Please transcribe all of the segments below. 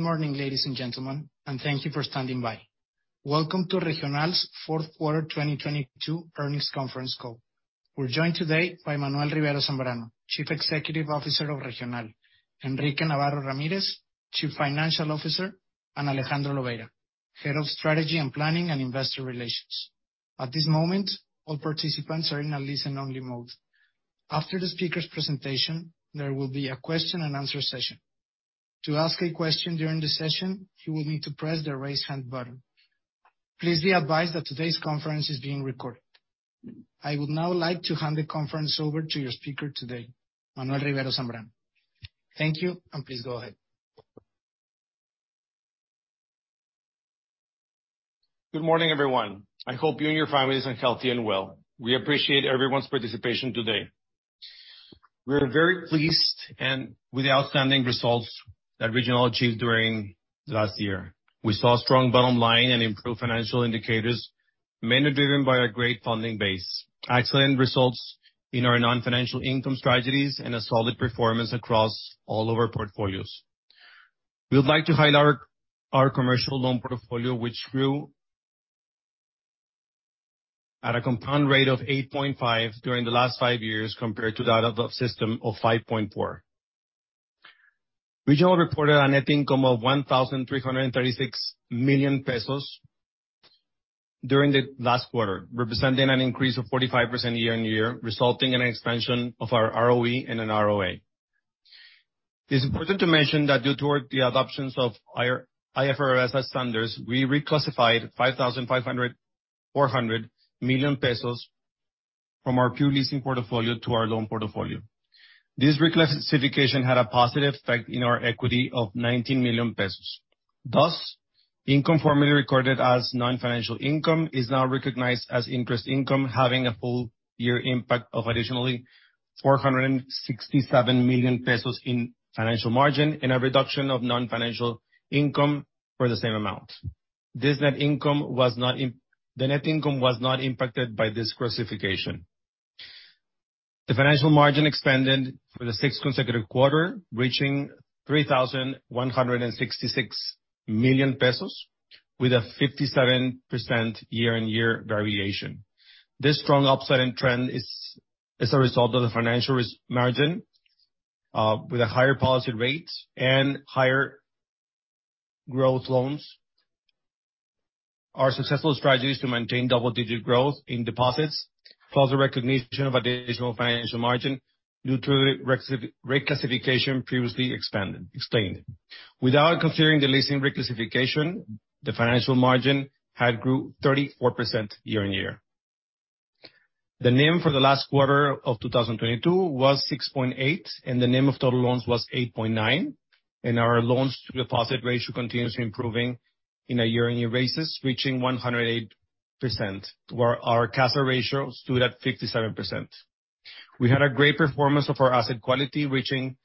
Good morning, ladies and gentlemen, and thank you for standing by. Welcome to Regional's fourth quarter, 2022 earnings conference call. We're joined today by Manuel Rivero Zambrano, Chief Executive Officer of Regional. Enrique Navarro Ramirez, Chief Financial Officer, and Alejandro Lobeira, Head of Strategy and Planning and Investor Relations. At this moment, all participants are in a listen only mode. After the speaker's presentation, there will be a question and answer session. To ask a question during the session, you will need to press the Raise Hand button. Please be advised that today's conference is being recorded. I would now like to hand the conference over to your speaker today, Manuel Rivero Zambrano. Thank you, and please go ahead. Good morning, everyone. I hope you and your families are healthy and well. We appreciate everyone's participation today. We're very pleased with the outstanding results that Regional achieved during last year. We saw strong bottom line and improved financial indicators, mainly driven by a great funding base, excellent results in our non-financial income strategies, and a solid performance across all of our portfolios. We would like to highlight our commercial loan portfolio, which grew at a compound rate of 8.5 during the last five years compared to the other system of 5.4. Regional reported a net income of 1,336 million pesos during the last quarter, representing an increase of 45% year-on-year, resulting in an expansion of our ROE and an ROA. It's important to mention that due to the adoptions of IFRS standards, we reclassified 5,400 million pesos from our pure leasing portfolio to our loan portfolio. This reclassification had a positive effect in our equity of 19 million pesos. Income formerly recorded as non-financial income is now recognized as interest income, having a full-year impact of additionally 467 million pesos in financial margin and a reduction of non-financial income for the same amount. The net income was not impacted by this classification. The financial margin expanded for the sixth consecutive quarter, reaching 3,166 million pesos with a 57% year-on-year variation. This strong upside and trend is a result of the financial risk margin with a higher policy rate and higher growth loans. Our successful strategy is to maintain double-digit growth in deposits, plus the recognition of additional financial margin due to the reclassification previously expanded, explained. Without considering the leasing reclassification, the financial margin had grew 34% year-on-year. The NIM for the last quarter of 2022 was 6.8%, the NIM of total loans was 8.9%, and our loans to deposit ratio continues improving in a year-on-year basis, reaching 108%, where our CASA ratio stood at 57%. We had a great performance of our asset quality, reaching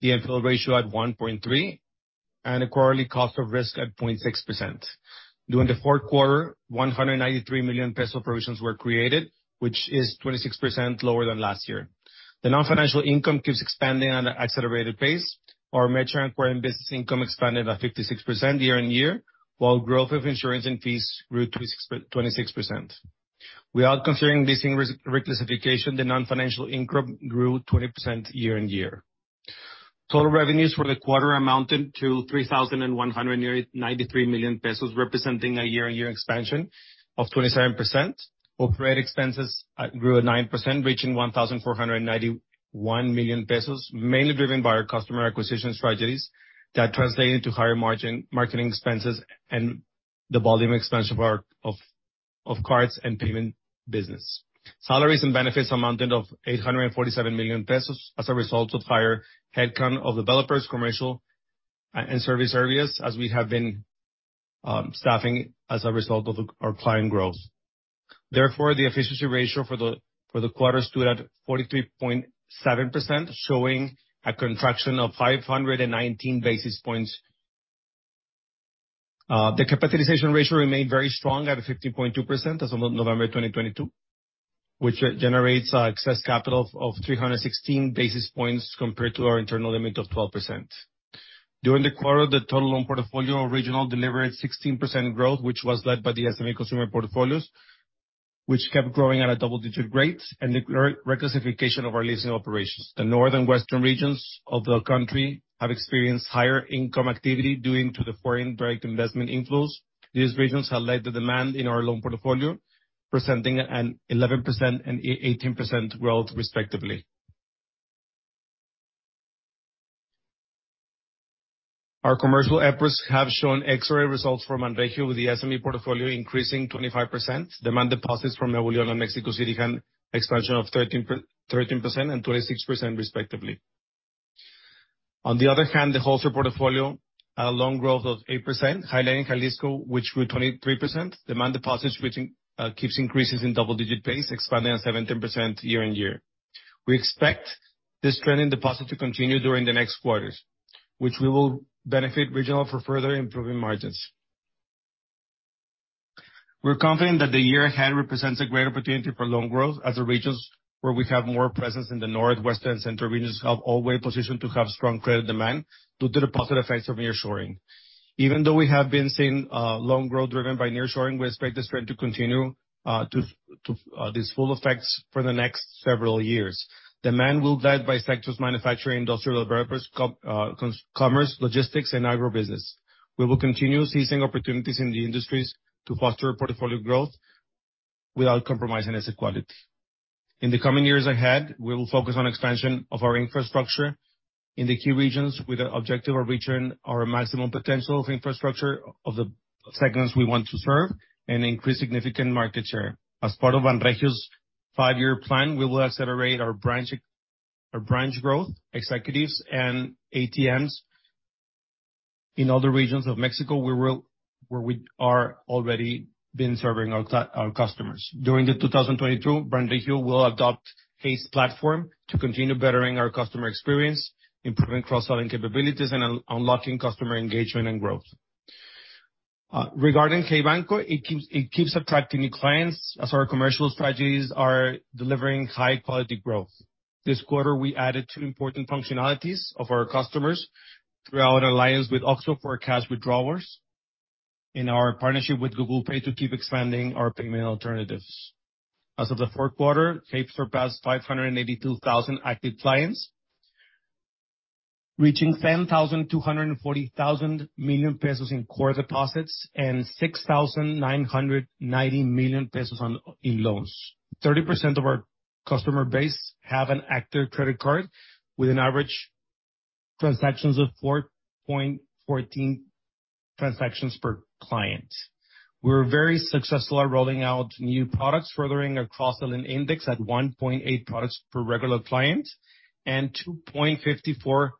the NPL ratio at 1.3% and a quarterly cost of risk at 0.6%. During the fourth quarter, 193 million peso provisions were created, which is 26% lower than last year. The non-financial income keeps expanding at an accelerated pace. Our merchant acquiring business income expanded by 56% year-on-year, while growth of insurance and fees grew 26%. Without considering leasing reclassification, the non-financial income grew 20% year-on-year. Total revenues for the quarter amounted to 3,193 million pesos, representing a year-on-year expansion of 27%. Operating expenses grew at 9%, reaching 1,491 million pesos, mainly driven by our customer acquisition strategies that translated to higher margin marketing expenses and the volume expansion of our cards and payment business. Salaries and benefits amounted of 847 million pesos as a result of higher headcount of developers, commercial and service areas, as we have been staffing as a result of our client growth. Therefore, the efficiency ratio for the quarter stood at 43.7%, showing a contraction of 519 basis points. The capitalization ratio remained very strong at 50.2% as of November 2022, which generates excess capital of 316 basis points compared to our internal limit of 12%. During the quarter, the total loan portfolio Regional delivered 16% growth, which was led by the SME consumer portfolios, which kept growing at a double-digit rate and the reclassification of our leasing operations. The North Western regions of the country have experienced higher income activity due to the foreign direct investment inflows. These regions have led the demand in our loan portfolio, presenting an 11% and 18% growth, respectively. Our commercial efforts have shown X-ray results from Banregio with the SME portfolio increasing 25%. Demand deposits from Nuevo León and Mexico City had expansion of 13% and 26% respectively. On the other hand, the wholesale portfolio, loan growth of 8%, highlighting Jalisco, which grew 23%. Demand deposits, which keeps increases in double-digit pace, expanding at 17% year-on-year. We expect this trend in deposit to continue during the next quarters, which we will benefit Regional for further improving margins. We're confident that the year ahead represents a great opportunity for loan growth as the regions where we have more presence in the north, west, and central regions have always positioned to have strong credit demand due to the positive effects of nearshoring. Even though we have been seeing loan growth driven by nearshoring, we expect this trend to continue. These full effects for the next several years. Demand will be led by sectors manufacturing, industrial developers, commerce, logistics, and agribusiness. We will continue seizing opportunities in the industries to foster portfolio growth without compromising asset quality. In the coming years ahead, we will focus on expansion of our infrastructure in the key regions with the objective of reaching our maximum potential of infrastructure of the segments we want to serve and increase significant market share. As part of Banregio's five-year plan, we will accelerate our branch growth, executives, and ATMs in all the regions of Mexico where we are already been serving our customers. During the 2022, Banregio will adopt Hey platform to continue bettering our customer experience, improving cross-selling capabilities, and un-unlocking customer engagement and growth. Regarding Hey Banco, it keeps attracting new clients as our commercial strategies are delivering high quality growth. This quarter, we added two important functionalities of our customers through our alliance with OXXO for cash withdrawals and our partnership with Google Pay to keep expanding our payment alternatives. As of the fourth quarter, Hey surpassed 582,000 active clients, reaching 10,240 million pesos in core deposits, and 6,990 million pesos in loans. 30% of our customer base have an active credit card with an average transactions of 4.14 transactions per client. We're very successful at rolling out new products, furthering our cross-selling index at 1.8 products per regular client, and 2.54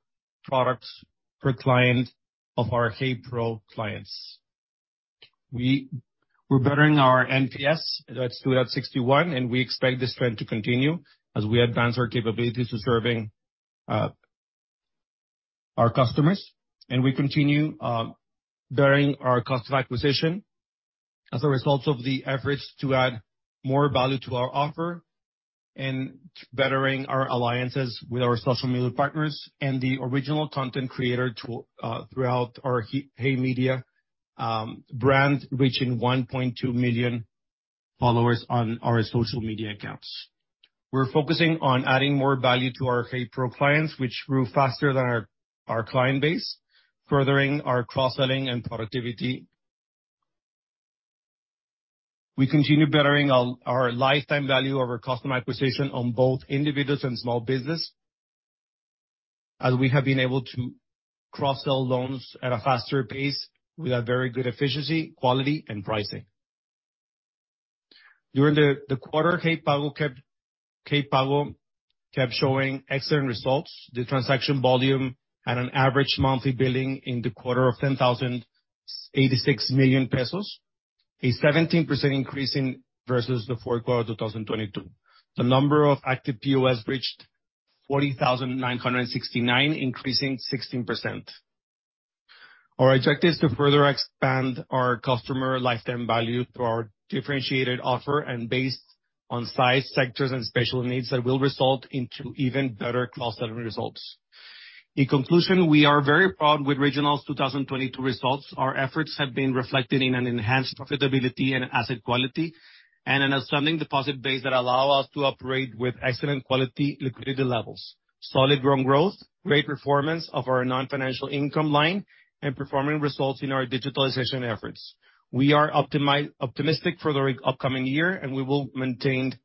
products per client of our Hey Pro clients. We're bettering our NPS that stood at 61, we expect this trend to continue as we advance our capabilities to serving our customers. We continue bettering our cost of acquisition as a result of the efforts to add more value to our offer and bettering our alliances with our social media partners and the original content creator tool throughout our Hey Media brand, reaching 1.2 million followers on our social media accounts. We're focusing on adding more value to our Hey Pro clients, which grew faster than our client base, furthering our cross-selling and productivity. We continue bettering our lifetime value of our customer acquisition on both individuals and small business, as we have been able to cross-sell loans at a faster pace with a very good efficiency, quality, and pricing. During the quarter, Hey Pago kept showing excellent results. The transaction volume at an average monthly billing in the quarter of 10,086 million pesos, a 17% increase versus the fourth quarter of 2022. The number of active POs reached 40,969, increasing 16%. Our objective is to further expand our customer lifetime value through our differentiated offer and based on size, sectors, and special needs that will result into even better cross-selling results. In conclusion, we are very proud with Regional's 2022 results. Our efforts have been reflected in an enhanced profitability and asset quality and an outstanding deposit base that allow us to operate with excellent quality liquidity levels, solid loan growth, great performance of our non-financial income line, and performing results in our digitalization efforts. We are optimistic for the upcoming year, and we will maintain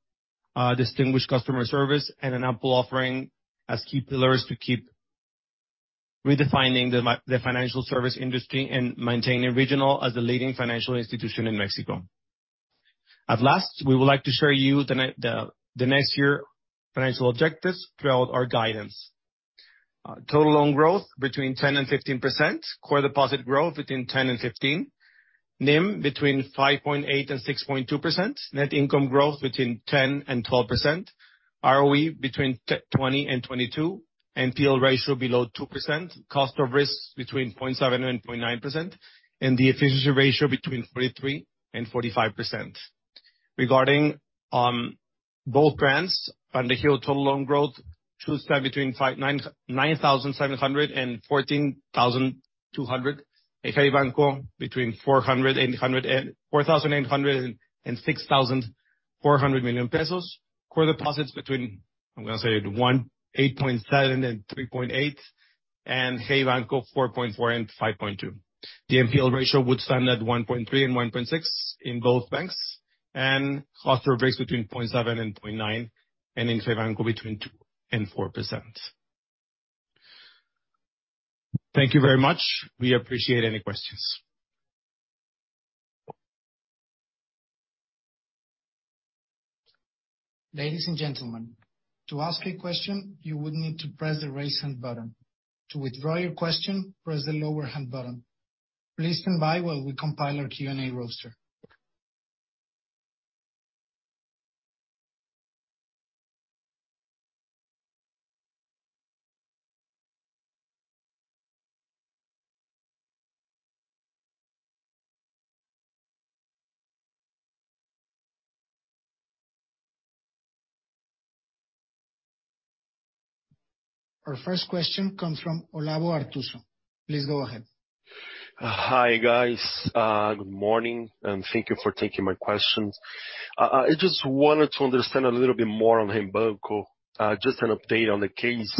distinguished customer service and an ample offering as key pillars to keep redefining the financial service industry and maintaining Regional as the leading financial institution in Mexico. At last, we would like to show you the next year financial objectives throughout our guidance. Total loan growth between 10% and 15%. Core deposit growth between 10% and 15%. NIM between 5.8% and 6.2%. Net income growth between 10% and 12%. ROE between 20% and 22%. NPL ratio below 2%. Cost of risks between 0.7% and 0.9%. The efficiency ratio between 43% and 45%. Regarding both brands, Banregio total loan growth should stand between 9,700 million and 14,200 million. In Hey Banco, between 4,800 million pesos and 6,400 million pesos. Core deposits between 8.7 and 3.8. Hey Banco, 4.4 and 5.2. The NPL ratio would stand at 1.3% and 1.6% in both banks. Cost of risks between 0.7% and 0.9%. In Hey Banco, between 2% and 4%. Thank you very much. We appreciate any questions. Ladies and gentlemen, to ask a question, you would need to press the Raise Hand button. To withdraw your question, press the Lower Hand button. Please stand by while we compile our Q&A roster. Our first question comes from Olavo Arthuzo. Please go ahead. Hi, guys. good morning, and thank you for taking my questions. I just wanted to understand a little bit more on Hey Banco, just an update on the case.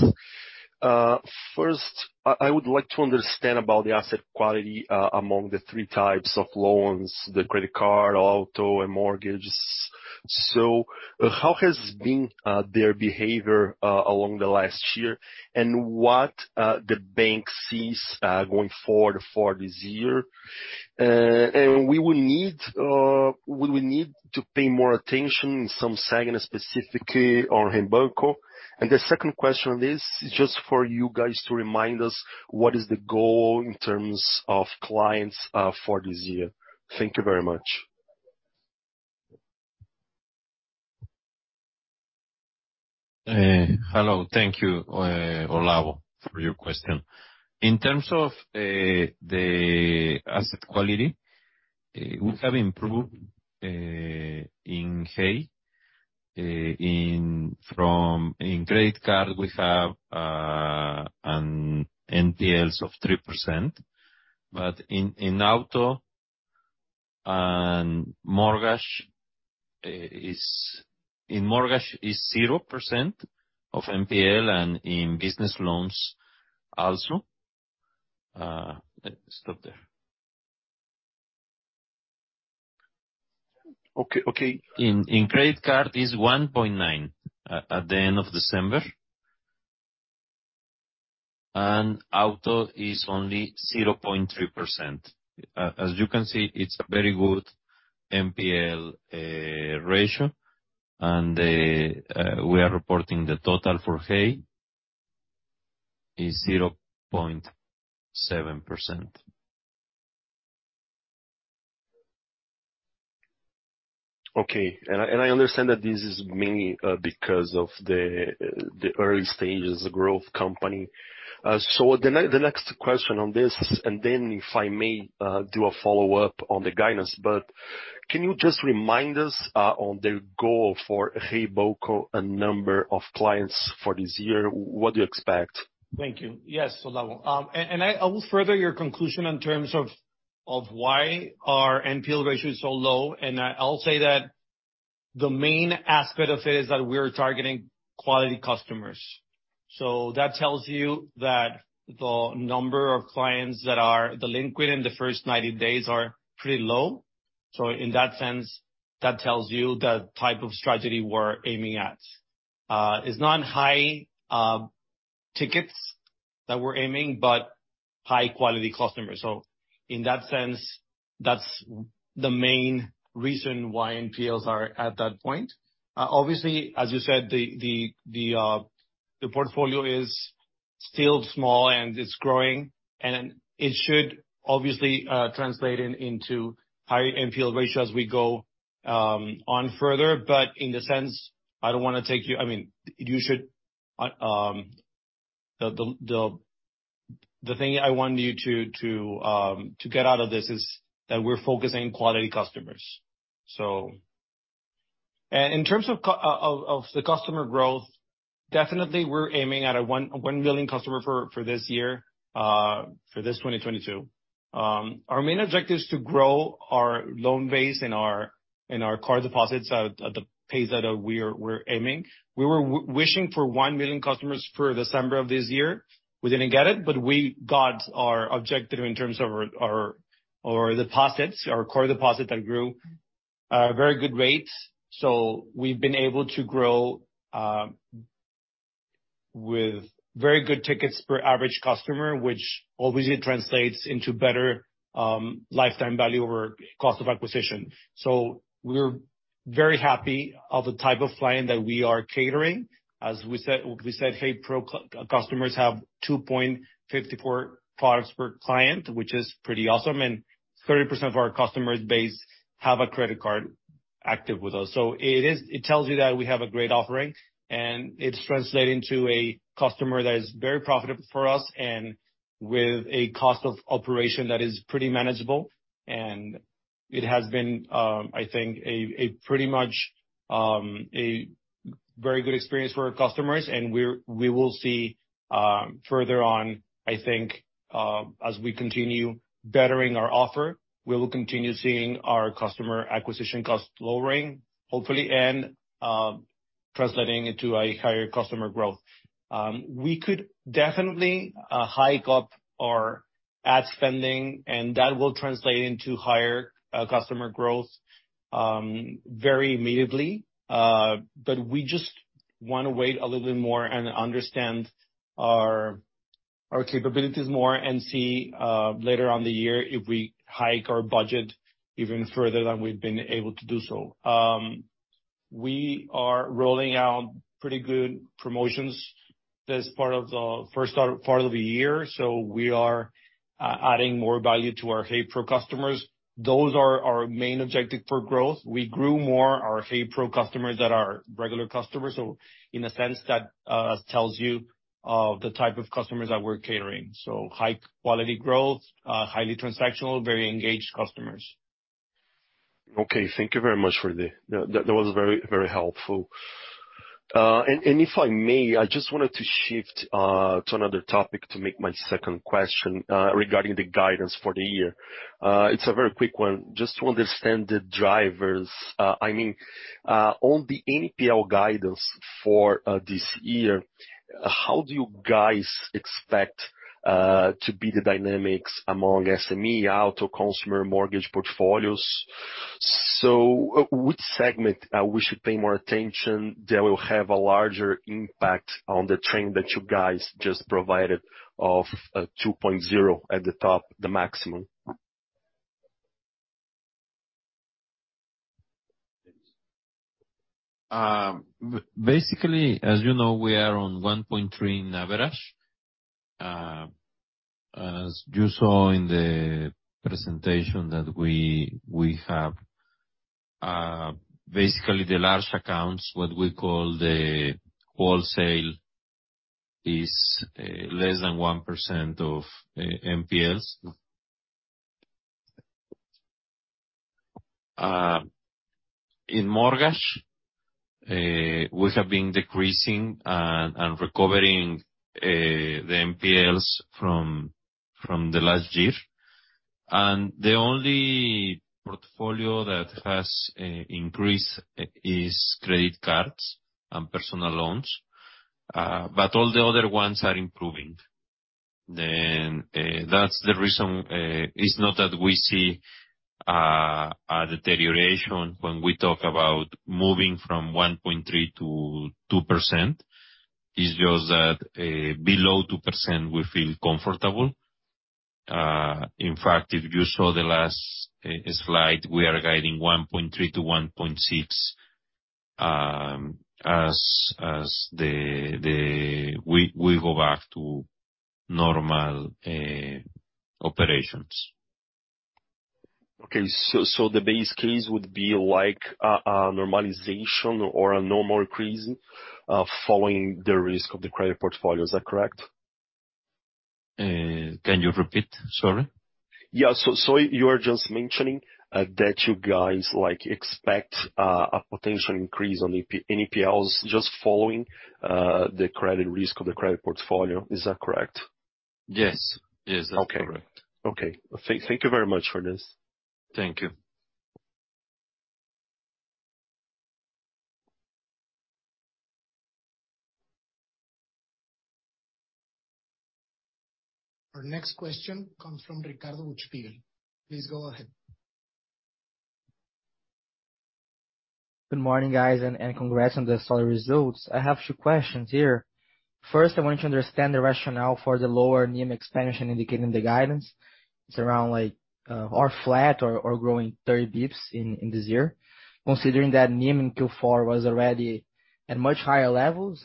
first, I would like to understand about the asset quality among the three types of loans, the credit card, auto, and mortgages. how has been their behavior along the last year, and what the bank sees going forward for this year? we will need to pay more attention in some segment, specifically on Hey Banco. the second question is just for you guys to remind us what is the goal in terms of clients for this year. Thank you very much. Hello. Thank you, Olavo, for your question. In terms of the asset quality, we have improved in Hey. In trade card, we have an NPLs of 3%, but in auto and In mortgage is 0% of NPL and in business loans also. Let's stop there. Okay, okay. In credit card is 1.9% at the end of December. Auto is only 0.3%. As you can see, it's a very good NPL ratio. We are reporting the total for Hey is 0.7%. I understand that this is mainly because of the early stages growth company. The next question on this, and then if I may, do a follow-up on the guidance, but can you just remind us on the goal for Hey Banco and number of clients for this year, what do you expect? Thank you. Yes, Olavo. I will further your conclusion in terms of why our NPL ratio is so low, and I'll say that the main aspect of it is that we are targeting quality customers. That tells you that the number of clients that are delinquent in the first 90 days are pretty low. In that sense, that tells you the type of strategy we're aiming at. It's not high tickets that we're aiming, but high quality customers. In that sense, that's the main reason why NPLs are at that point. Obviously, as you said, the portfolio is still small, and it's growing, and it should obviously, translate in, into high NPL ratio as we go on further. In the sense, I don't wanna take you... I mean, you should the thing I want you to get out of this is that we're focusing quality customers. In terms of the customer growth, definitely we're aiming at a 1 million customer for this year, for this 2022. Our main objective is to grow our loan base and our core deposits at the pace that we're aiming. We were wishing for one million customers for December of this year. We didn't get it, we got our objective in terms of our deposits, our core deposit that grew at a very good rate. We've been able to grow with very good tickets per average customer, which obviously translates into better lifetime value over cost of acquisition. We're very happy of the type of client that we are catering. As we said, Hey Pro customers have 2.54 products per client, which is pretty awesome, and 30% of our customers base have a credit card active with us. It tells you that we have a great offering, and it's translating to a customer that is very profitable for us and with a cost of operation that is pretty manageable. It has been, I think, a pretty much a very good experience for our customers. We will see further on, I think, as we continue bettering our offer, we will continue seeing our customer acquisition costs lowering, hopefully, and translating into a higher customer growth. We could definitely hike up our ad spending. That will translate into higher customer growth very immediately. We just wanna wait a little bit more and understand our capabilities more and see later on the year if we hike our budget even further than we've been able to do so. We are rolling out pretty good promotions this part of the first part of the year. We are adding more value to our Hey Pro customers. Those are our main objective for growth. We grew more our Hey Pro customers than our regular customers. In a sense that tells you of the type of customers that we're catering. High quality growth, highly transactional, very engaged customers. Okay. Thank you very much for the... That was very helpful. If I may, I just wanted to shift to another topic to make my second question regarding the guidance for the year. It's a very quick one. Just to understand the drivers, I mean, on the NPL guidance for this year, how do you guys expect to be the dynamics among SME, auto, consumer, mortgage portfolios? Which segment we should pay more attention that will have a larger impact on the trend that you guys just provided of 2.0 at the top, the maximum? Basically, as you know, we are on 1.3 in average. As you saw in the presentation that we have, basically the large accounts, what we call the wholesale, is less than 1% of NPLs. In mortgage, we have been decreasing and recovering the NPLs from the last year. The only portfolio that has increased is credit cards and personal loans. All the other ones are improving. That's the reason, it's not that we see a deterioration when we talk about moving from 1.3%-2%. It's just that, below 2% we feel comfortable. In fact, if you saw the last slide, we are guiding 1.3%-1.6%, as the, we go back to normal operations. Okay. The base case would be like a normalization or a normal increase, following the risk of the credit portfolio. Is that correct? Can you repeat? Sorry. Yeah. You are just mentioning, that you guys, like, expect, a potential increase on NPLs just following, the credit risk of the credit portfolio. Is that correct? Yes. Yes, that's correct. Okay. Thank you very much for this. Thank you. Our next question comes from Ricardo Chupiel. Please go ahead. Good morning, guys, and congrats on the solid results. I have two questions here. First, I want to understand the rationale for the lower NIM expansion indicated in the guidance. It's around or flat or growing 30 basis points this year. Considering that NIM in Q4 was already at much higher levels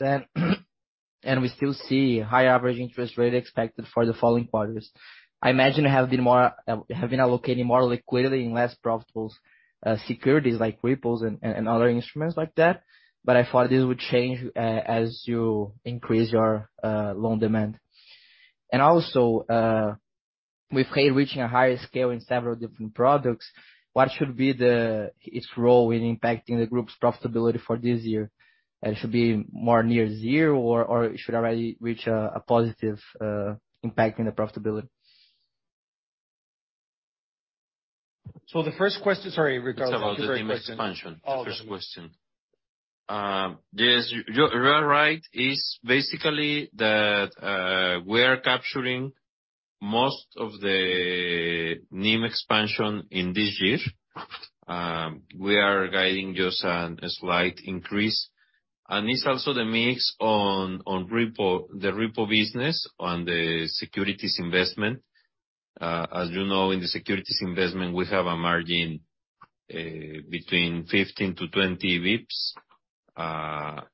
and we still see high average interest rate expected for the following quarters. I imagine you have been more allocating more liquidity in less profitable securities like repos and other instruments like that, but I thought this would change as you increase your loan demand. Also, with CRE reaching a higher scale in several different products, what should be its role in impacting the group's profitability for this year? It should be more near zero or it should already reach a positive impact in the profitability? The first question... Sorry, Ricardo. It's about the NIM expansion... Oh, okay. The first question. Yes, you are right. It's basically that we are capturing most of the NIM expansion in this year. We are guiding just a slight increase. It's also the mix on repo, the repo business on the securities investment. As you know, in the securities investment, we have a margin between 15 to 20 basis points.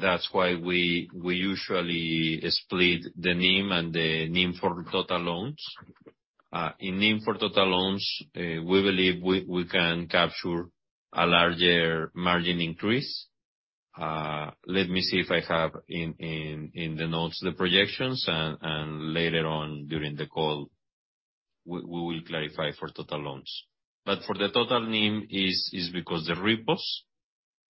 That's why we usually split the NIM and the NIM for total loans. In NIM for total loans, we believe we can capture a larger margin increase. Let me see if I have in the notes the projections and later on during the call, we will clarify for total loans. For the total NIM is because the repos,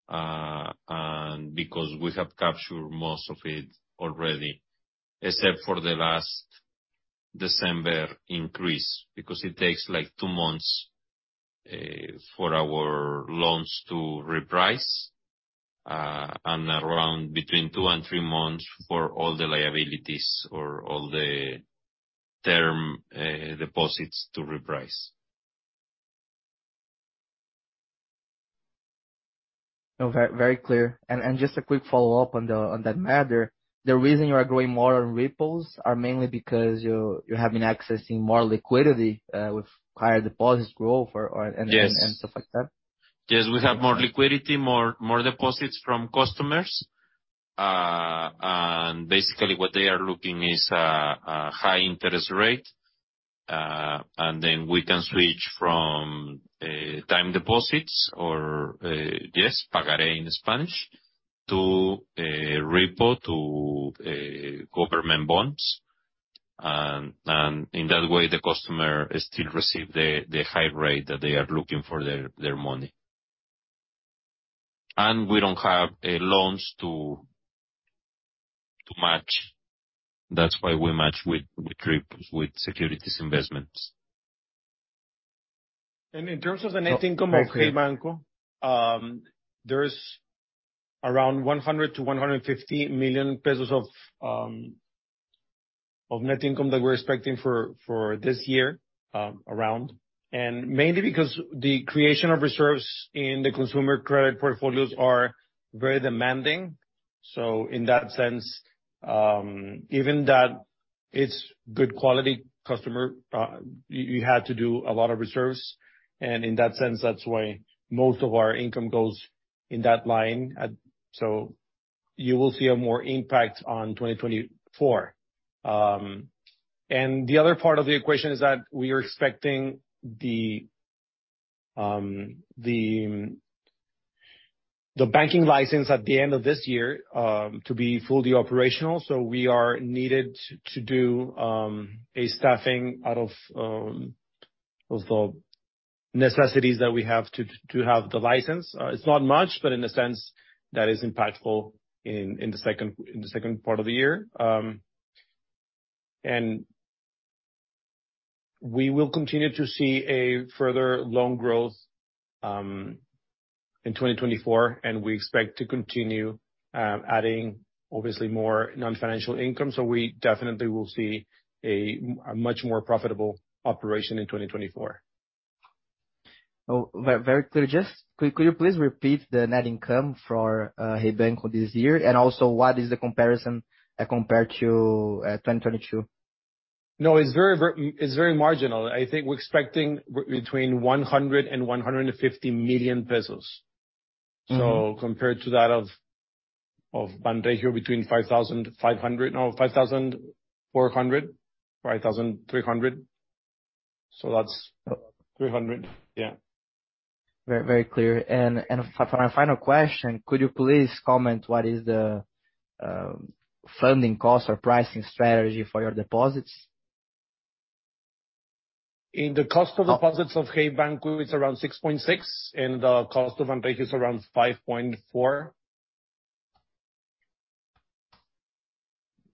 and because we have captured most of it already, except for the last December increase, because it takes, like, two months for our loans to reprice, and around between two and three months for all the liabilities or all the term deposits to reprice. No, very clear. Just a quick follow-up on the, on that matter. The reason you are growing more on repos are mainly because you have been accessing more liquidity with higher deposits growth or? Yes. Stuff like that? Yes. We have more liquidity, more deposits from customers. Basically what they are looking is, a high interest rate. Then we can switch from, time deposits or, yes, pagaré in Spanish, to, repo, to, government bonds. In that way, the customer still receive the high rate that they are looking for their money. We don't have, loans to match. That's why we match with trips, with securities investments. In terms of the net income of Hey Banco, there's around 100 million-150 million pesos of net income that we're expecting for this year, around. Mainly because the creation of reserves in the consumer credit portfolios are very demanding. In that sense, even that it's good quality customer, you had to do a lot of reserves, and in that sense, that's why most of our income goes in that line. You will see a more impact on 2024. The other part of the equation is that we are expecting the banking license at the end of this year to be fully operational. We are needed to do a staffing out of the necessities that we have to have the license. It's not much, but in a sense, that is impactful in the second part of the year. We will continue to see a further loan growth, in 2024, and we expect to continue, adding obviously more non-financial income. We definitely will see a much more profitable operation in 2024. Oh, very clear. Just could you please repeat the net income for Hey Banco this year? Also what is the comparison compared to 2022? No, it's very, it's very marginal. I think we're expecting between 100 million pesos and 150 million pesos. Mm-hmm. Compared to that of Banregio between 5,500. No, 5,400, 5,300. That's 300. Yeah. Very clear. For my final question, could you please comment what is the funding cost or pricing strategy for your deposits? In the cost of deposits of Hey Banco, it's around 6.6%, and the cost of Banregio is around 5.4%.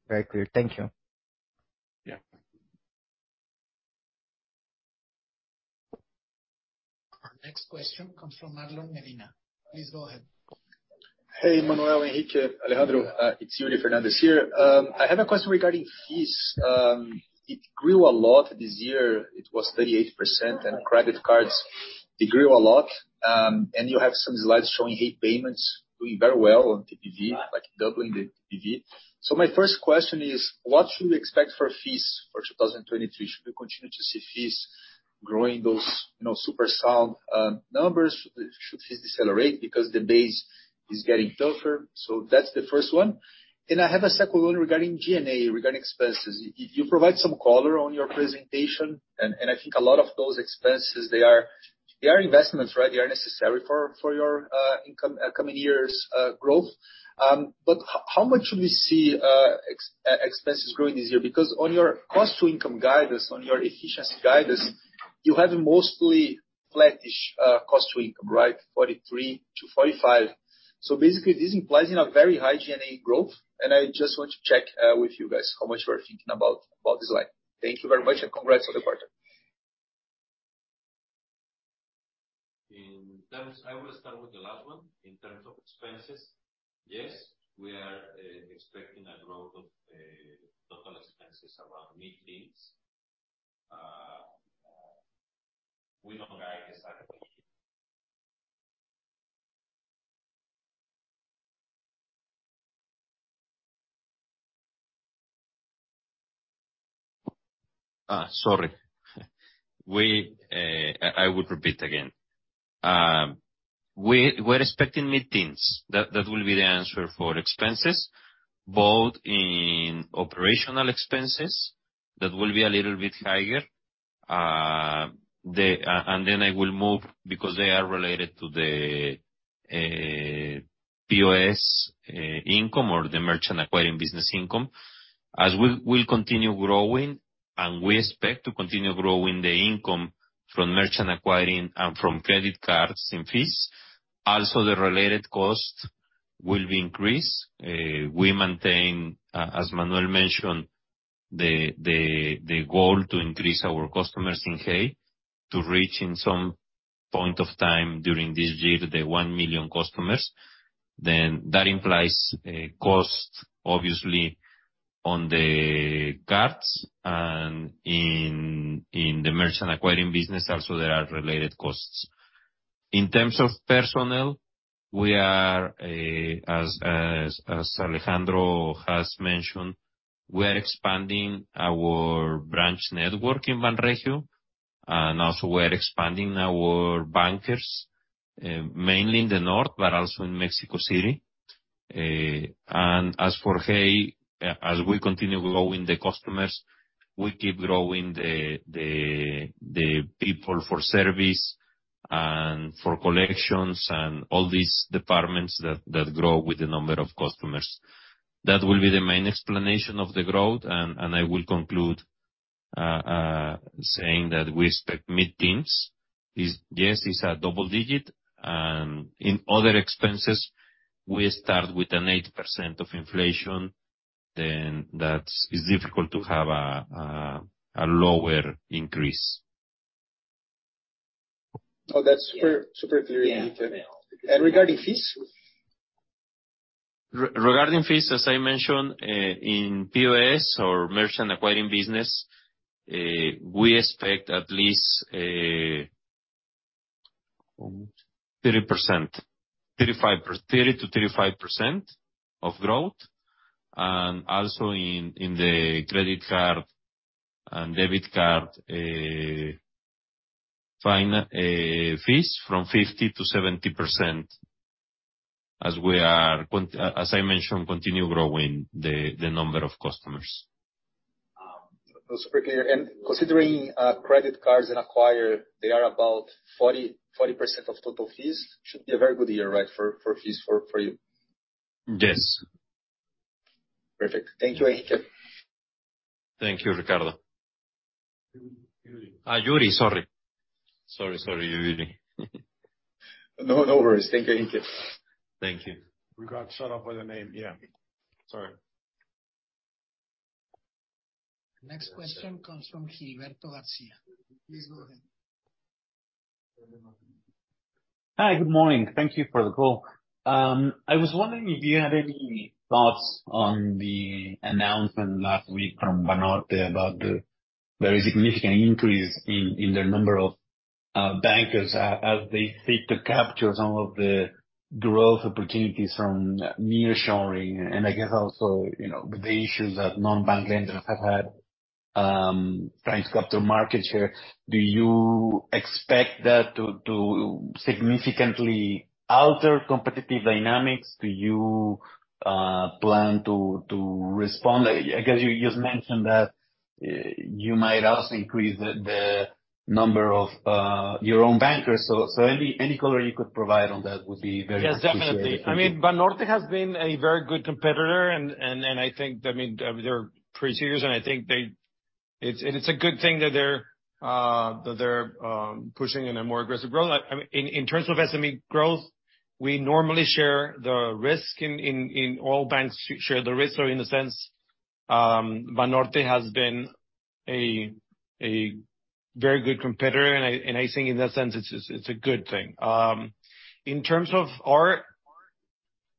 Very clear. Thank you. Yeah. Our next question comes from Marlon Medina. Please go ahead. Hey, Manuel, Enrique, Alejandro. It's Yuri Fernandes here. I have a question regarding fees. It grew a lot this year. It was 38%. Credit cards, they grew a lot. You have some slides showing Hey Pago doing very well on TPV, like doubling the TPV. My first question is: What should we expect for fees for 2023? Should we continue to see fees growing those, you know, super sound numbers? Should fees decelerate because the base is getting tougher? That's the first one. I have a second one regarding G&A, regarding expenses. You provide some color on your presentation, and I think a lot of those expenses, they are investments, right? They are necessary for your income coming years' growth. How much should we see expenses growing this year? Because on your cost to income guidance, on your efficiency guidance, you have mostly flattish cost to income, right? 43%-45%. Basically, this implies, you know, very high G&A growth. I just want to check with you guys how much you are thinking about this line. Thank you very much, congrats on the quarter. I will start with the last one. In terms of expenses, yes, we are expecting a growth of total expenses around mid-teens. We don't guide exactly. Sorry. I will repeat again. We're expecting mid-teens. That will be the answer for expenses, both in operational expenses, that will be a little bit higher. And then I will move, because they are related to the POS income or the merchant acquiring business income. As we will continue growing, and we expect to continue growing the income from merchant acquiring and from credit cards and fees, also the related cost will be increased. We maintain, as Manuel mentioned, the goal to increase our customers in Hey to reach in some point of time during this year the 1 million customers. That implies a cost, obviously, on the cards and in the merchant acquiring business also there are related costs. In terms of personnel, we are as Alejandro has mentioned, we are expanding our branch network in Banregio, and also we are expanding our bankers, mainly in the North, but also in Mexico City. As for Hey, as we continue growing the customers, we keep growing the people for service. For collections and all these departments that grow with the number of customers. That will be the main explanation of the growth, I will conclude saying that we expect mid-teens. Yes, it's a double digit. In other expenses, we start with an 8% of inflation, then that is difficult to have a lower increase. Oh, that's super clear. Yeah. Regarding fees? Regarding fees, as I mentioned, in POS or merchant acquiring business, we expect at least 30%-35% of growth. Also in the credit card and debit card fees from 50%-70% as I mentioned, continue growing the number of customers. Super clear. Considering, credit cards and acquire, they are about 40% of total fees. Should be a very good year, right, for fees for you? Yes. Perfect. Thank you, Enrique. Thank you, Ricardo. Yuri. Yuri, sorry. Sorry, Yuri. No, no worries. Thank you, Enrique. Thank you. We got shut off by the name, yeah. Sorry. Next question comes from Gilberto Garcia. Please go ahead. Hi, good morning. Thank you for the call. I was wondering if you had any thoughts on the announcement last week from Banorte about the very significant increase in their number of bankers as they seek to capture some of the growth opportunities from nearshoring. I guess also, you know, with the issues that non-bank lenders have had trying to capture market share, do you expect that to significantly alter competitive dynamics? Do you plan to respond? I guess you just mentioned that you might also increase the number of your own bankers. Any color you could provide on that would be very appreciated. Yes, definitely. I mean, Banorte has been a very good competitor and I think, I mean, they're pretty serious, and I think it's a good thing that they're pushing in a more aggressive growth. I mean, in terms of SME growth, we normally share the risk in all banks share the risk. In a sense, Banorte has been a very good competitor, and I think in that sense, it's a good thing. In terms of our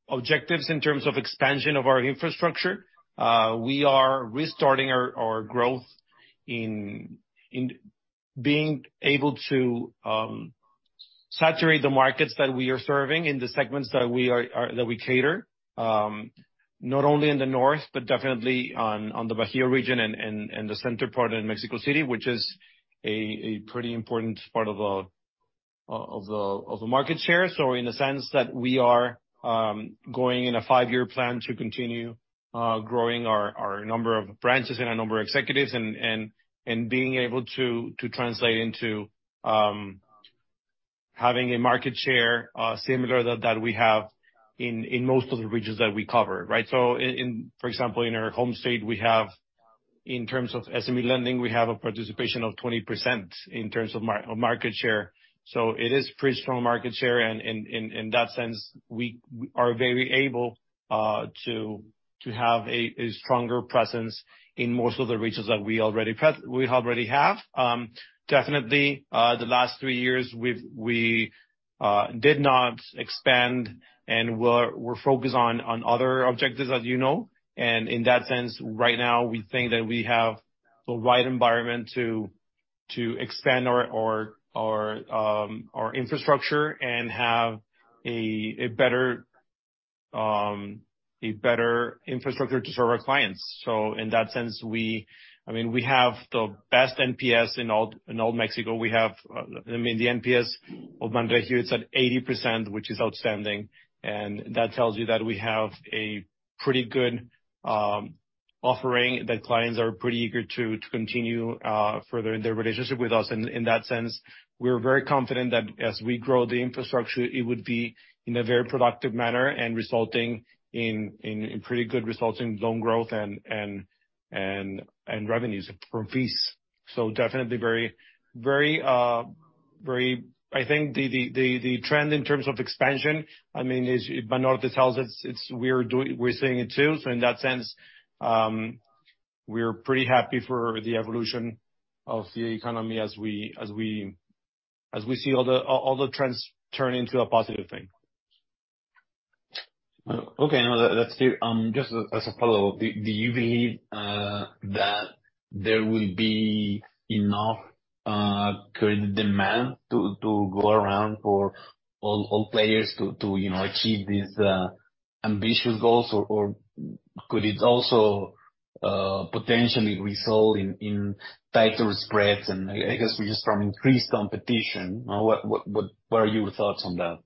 objectives, in terms of expansion of our infrastructure, we are restarting our growth in being able to saturate the markets that we are serving in the segments that we cater, not only in the North, but definitely on the Bajío region and the center part in Mexico City, which is a pretty important part of the market share. In a sense that we are going in a five-year plan to continue growing our number of branches and our number of executives and being able to translate into having a market share similar that we have in most of the regions that we cover, right? In, for example, in our home state, we have, in terms of SME lending, we have a participation of 20% in terms of market share. It is pretty strong market share, and in that sense, we are very able to have a stronger presence in most of the regions that we already have. Definitely, the last three years, we did not expand, and we're focused on other objectives, as you know. In that sense, right now, we think that we have the right environment to expand our infrastructure and have a better infrastructure to serve our clients. In that sense, I mean, we have the best NPS in all Mexico. We have, I mean, the NPS of Banregio, it's at 80%, which is outstanding. That tells you that we have a pretty good offering, that clients are pretty eager to continue further in their relationship with us. In that sense, we're very confident that as we grow the infrastructure, it would be in a very productive manner and resulting in pretty good results in loan growth and revenues from fees. Definitely very... I think the trend in terms of expansion, I mean, is Banorte tells it, we're seeing it too. In that sense, we're pretty happy for the evolution of the economy as we see all the trends turn into a positive thing. Okay. No, that's clear. Just as a follow-up, do you believe that there will be enough current demand to go around for all players to, you know, achieve these ambitious goals? Or could it also potentially result in tighter spreads and, I guess, just from increased competition? What are your thoughts on that?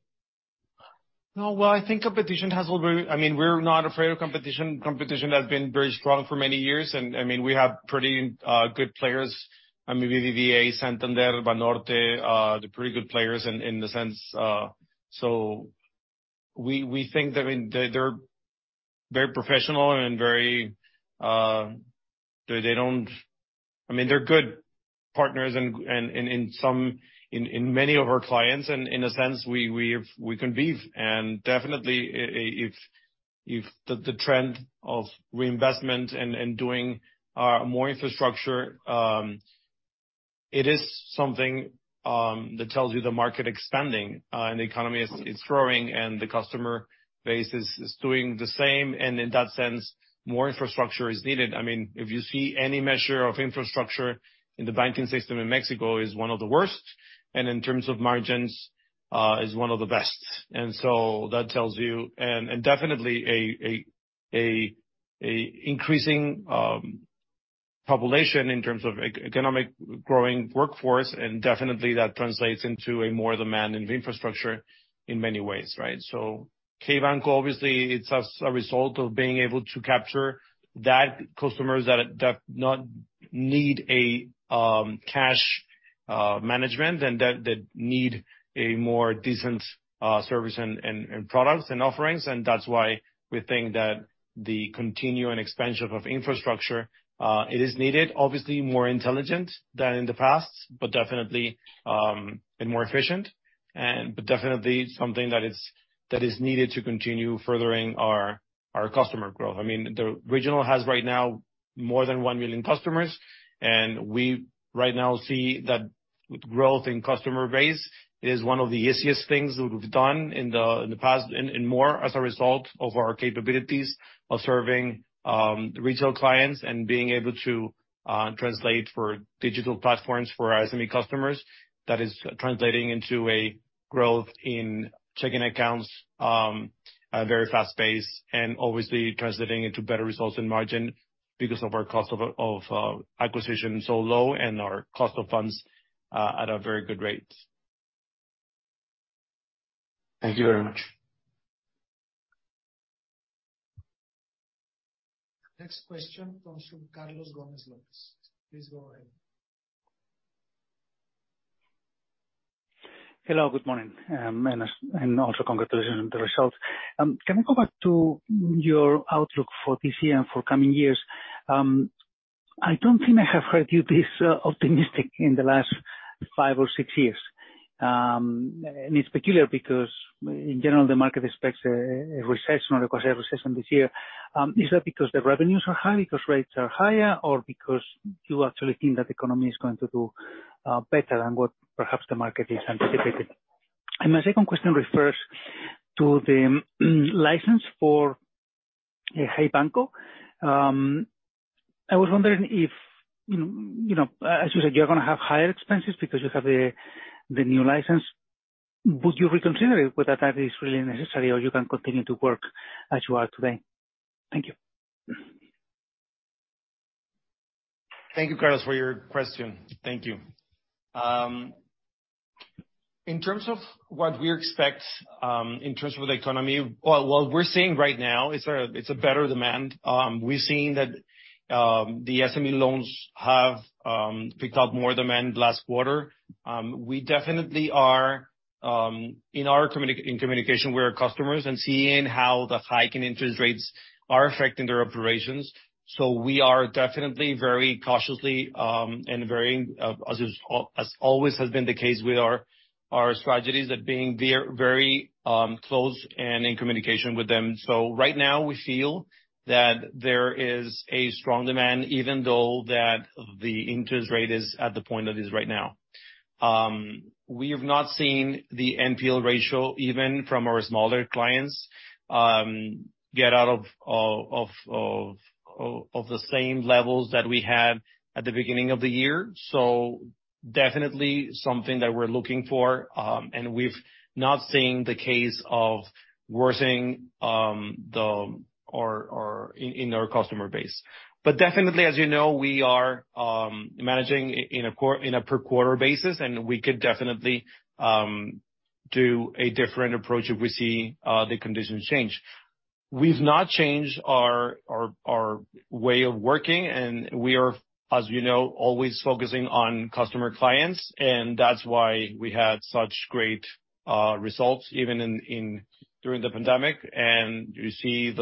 No, well, I think competition has always. I mean, we're not afraid of competition. Competition has been very strong for many years. I mean, we have pretty good players, BBVA, Santander, Banorte. They're pretty good players in the sense. We think that, I mean, they're very professional and very. I mean, they're good partners and in some, in many of our clients, and in a sense, we have, we can be. Definitely if the trend of reinvestment and doing more infrastructure, it is something that tells you the market expanding, and the economy is growing and the customer base is doing the same. In that sense, more infrastructure is needed. I mean, if you see any measure of infrastructure in the banking system in Mexico is one of the worst, and in terms of margins, is one of the best. That tells you. Definitely a increasing population in terms of economic growing workforce, and definitely that translates into a more demand in infrastructure in many ways, right. Hey Banco, obviously it's as a result of being able to capture that customers that do not need a cash management and that need a more decent service and, and products and offerings. That's why we think that the continuing expansion of infrastructure, it is needed, obviously more intelligent than in the past, but definitely, and more efficient. Definitely something that it's, that is needed to continue furthering our customer growth. I mean, the Regional has right now more than one million customers, and we right now see that growth in customer base is one of the easiest things we've done in the past, and more as a result of our capabilities of serving retail clients and being able to translate for digital platforms for our SME customers. That is translating into a growth in checking accounts at a very fast pace, and obviously translating into better results in margin because of our cost of acquisition so low and our cost of funds at a very good rate. Thank you very much. Next question comes from Carlos Gomez-Lopez. Please go ahead. Hello, good morning. And also congratulations on the results. Can we go back to your outlook for this year and for coming years? I don't think I have heard you this optimistic in the last five or six years. It's peculiar because in general, the market expects a recession or a quasi-recession this year. Is that because the revenues are high, because rates are higher, or because you actually think that the economy is going to do better than what perhaps the market is anticipating? My second question refers to the license for Hey Banco. I was wondering if, you know, as you said, you're gonna have higher expenses because you have the new license. Would you reconsider it, whether that is really necessary or you can continue to work as you are today? Thank you. Thank you, Carlos, for your question. Thank you. In terms of what we expect, in terms of the economy, well, what we're seeing right now, it's a better demand. We've seen that the SME loans have picked up more demand last quarter. We definitely are in our communication with our customers and seeing how the hike in interest rates are affecting their operations. We are definitely very cautiously and very as always has been the case with our strategies at being very close and in communication with them. Right now we feel that there is a strong demand, even though that the interest rate is at the point that is right now. We have not seen the NPL ratio, even from our smaller clients, get out of the same levels that we had at the beginning of the year. Definitely something that we're looking for, and we've not seen the case of worsening in our customer base. Definitely, as you know, we are managing in a per quarter basis, and we could definitely do a different approach if we see the conditions change. We've not changed our way of working, and we are, as you know, always focusing on customer clients, and that's why we had such great results even during the pandemic. You see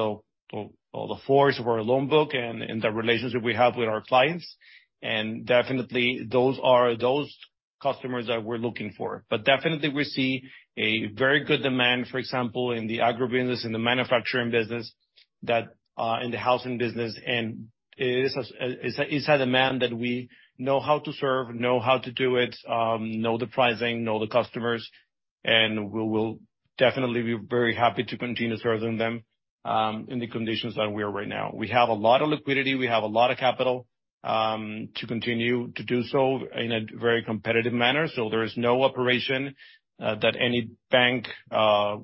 the force of our loan book and the relationship we have with our clients. Definitely those are those customers that we're looking for. Definitely we see a very good demand, for example, in the agribusiness, in the manufacturing business, that in the housing business. It's a demand that we know how to serve, know how to do it, know the pricing, know the customers, and we will definitely be very happy to continue serving them in the conditions that we are right now. We have a lot of liquidity, we have a lot of capital to continue to do so in a very competitive manner. There is no operation that any bank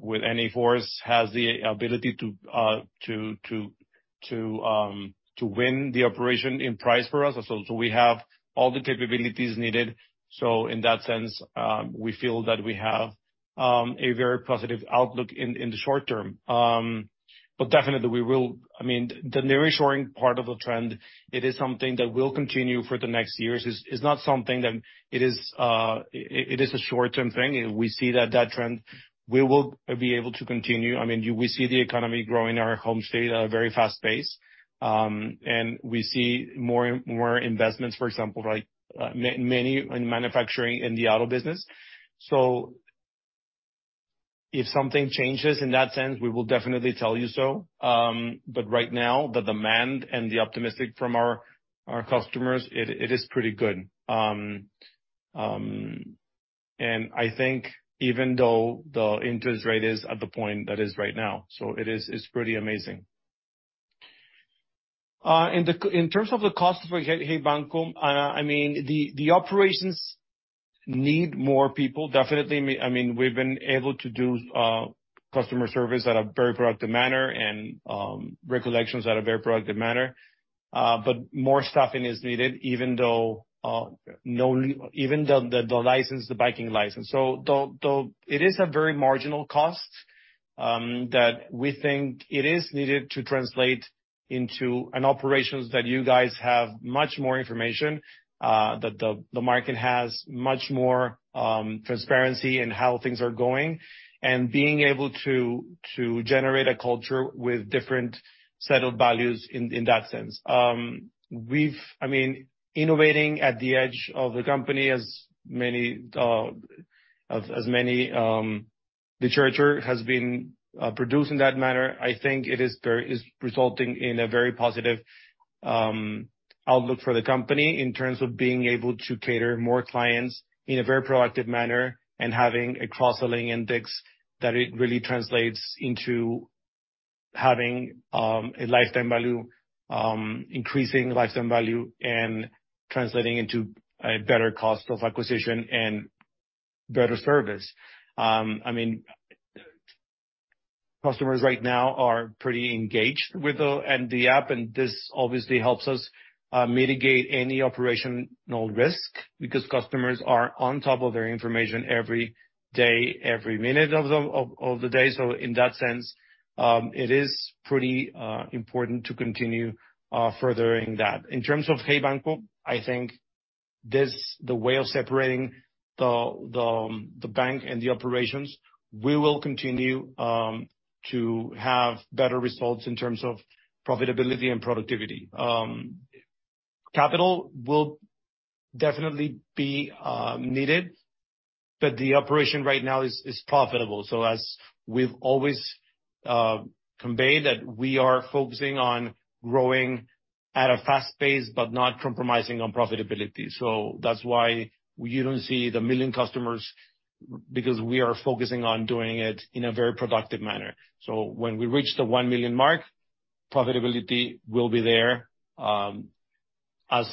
with any force has the ability to win the operation in price for us. We have all the capabilities needed. In that sense, we feel that we have a very positive outlook in the short term. Definitely, I mean, the nearshoring part of the trend, it is something that will continue for the next years. Is not something that it is a short-term thing. We see that that trend we will be able to continue. I mean, we see the economy growing our home state at a very fast pace, and we see more investments, for example, like many in manufacturing in the auto business. If something changes in that sense, we will definitely tell you so. Right now, the demand and the optimistic from our customers, it is pretty good. I think even though the interest rate is at the point that is right now, it is, it's pretty amazing. In terms of the cost for Hey Banco, I mean, the operations need more people, definitely. I mean, we've been able to do customer service at a very productive manner and recollections at a very productive manner. More staffing is needed, even though, even the license, the banking license. Though it is a very marginal cost, that we think it is needed to translate into an operations that you guys have much more information, that the market has much more transparency in how things are going, and being able to generate a culture with different set of values in that sense. I mean, innovating at the edge of the company as many, as many, the charter has been produced in that manner, I think it is resulting in a very positive outlook for the company in terms of being able to cater more clients in a very proactive manner and having a cross-selling index that it really translates into having a lifetime value, increasing lifetime value, and translating into a better cost of acquisition and better service. I mean, customers right now are pretty engaged with the... and the app, and this obviously helps us mitigate any operational risk because customers are on top of their information every day, every minute of the day. In that sense, it is pretty important to continue furthering that. In terms of Hey Banco, I think this, the way of separating the bank and the operations, we will continue to have better results in terms of profitability and productivity. Capital will definitely be needed, but the operation right now is profitable. As we've always conveyed, that we are focusing on growing at a fast pace but not compromising on profitability. That's why you don't see the million customers, because we are focusing on doing it in a very productive manner. When we reach the one million mark, profitability will be there as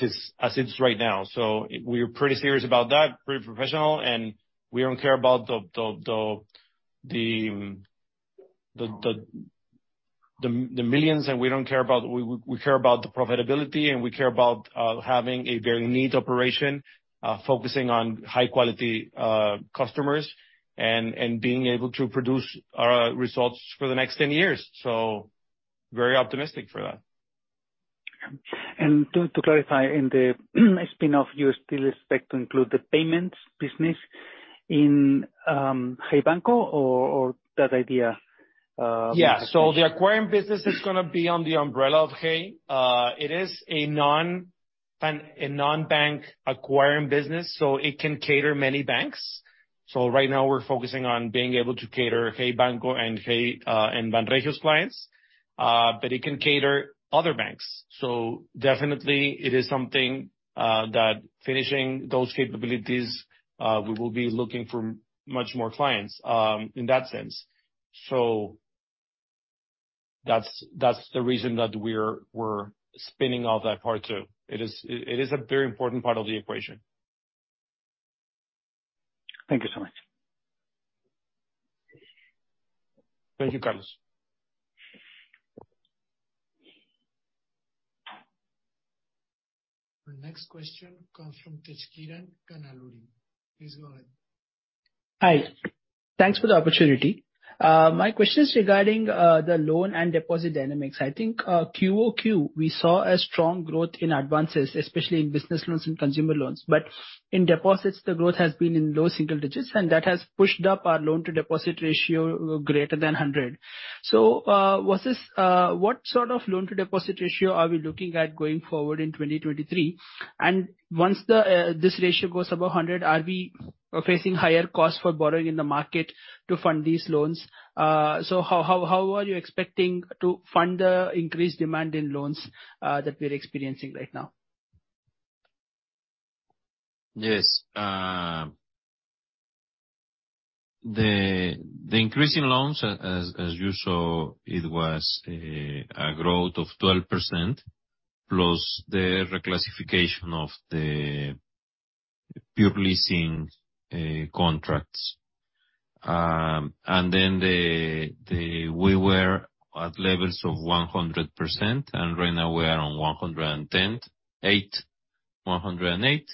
is, as it is right now. We're pretty serious about that, pretty professional, and we don't care about the millions, and we don't care about... We care about the profitability, and we care about having a very neat operation, focusing on high quality, customers and being able to produce results for the next 10 years. Very optimistic for that. To clarify, in the spin-off, you still expect to include the payments business in Hey Banco or that idea? Yeah. The acquiring business is gonna be on the umbrella of Hey. It is a non-bank acquiring business, so it can cater many banks. Right now we're focusing on being able to cater Hey Banco and Hey and Banregio's clients, but it can cater other banks. Definitely it is something that finishing those capabilities, we will be looking for much more clients in that sense. That's the reason that we're spinning off that part too. It is a very important part of the equation. Thank you so much. Thank you, Carlos. The next question comes from Tejkiran Kannaluri. Please go ahead. Hi. Thanks for the opportunity. My question is regarding the loan and deposit dynamics. I think QoQ, we saw a strong growth in advances, especially in business loans and consumer loans. In deposits, the growth has been in low single digits, and that has pushed up our loan to deposit ratio greater than 100. What sort of loan to deposit ratio are we looking at going forward in 2023? Once the this ratio goes above 100, are we facing higher costs for borrowing in the market to fund these loans? How are you expecting to fund the increased demand in loans that we're experiencing right now? Yes. The increase in loans, as you saw, it was a growth of 12%, plus the reclassification of the pure leasing contracts. We were at levels of 100%, and right now we are on 110, 108.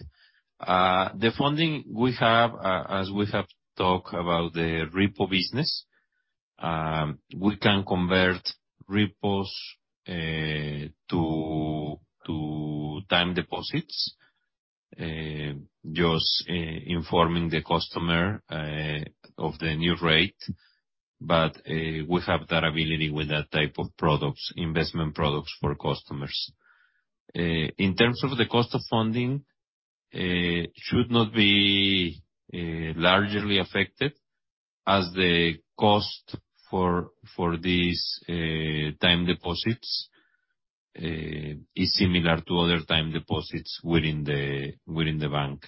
The funding we have, as we have talked about the repo business, we can convert repos to time deposits, just informing the customer of the new rate. We have that ability with that type of products, investment products for customers. In terms of the cost of funding, should not be largely affected as the cost for these time deposits is similar to other time deposits within the bank.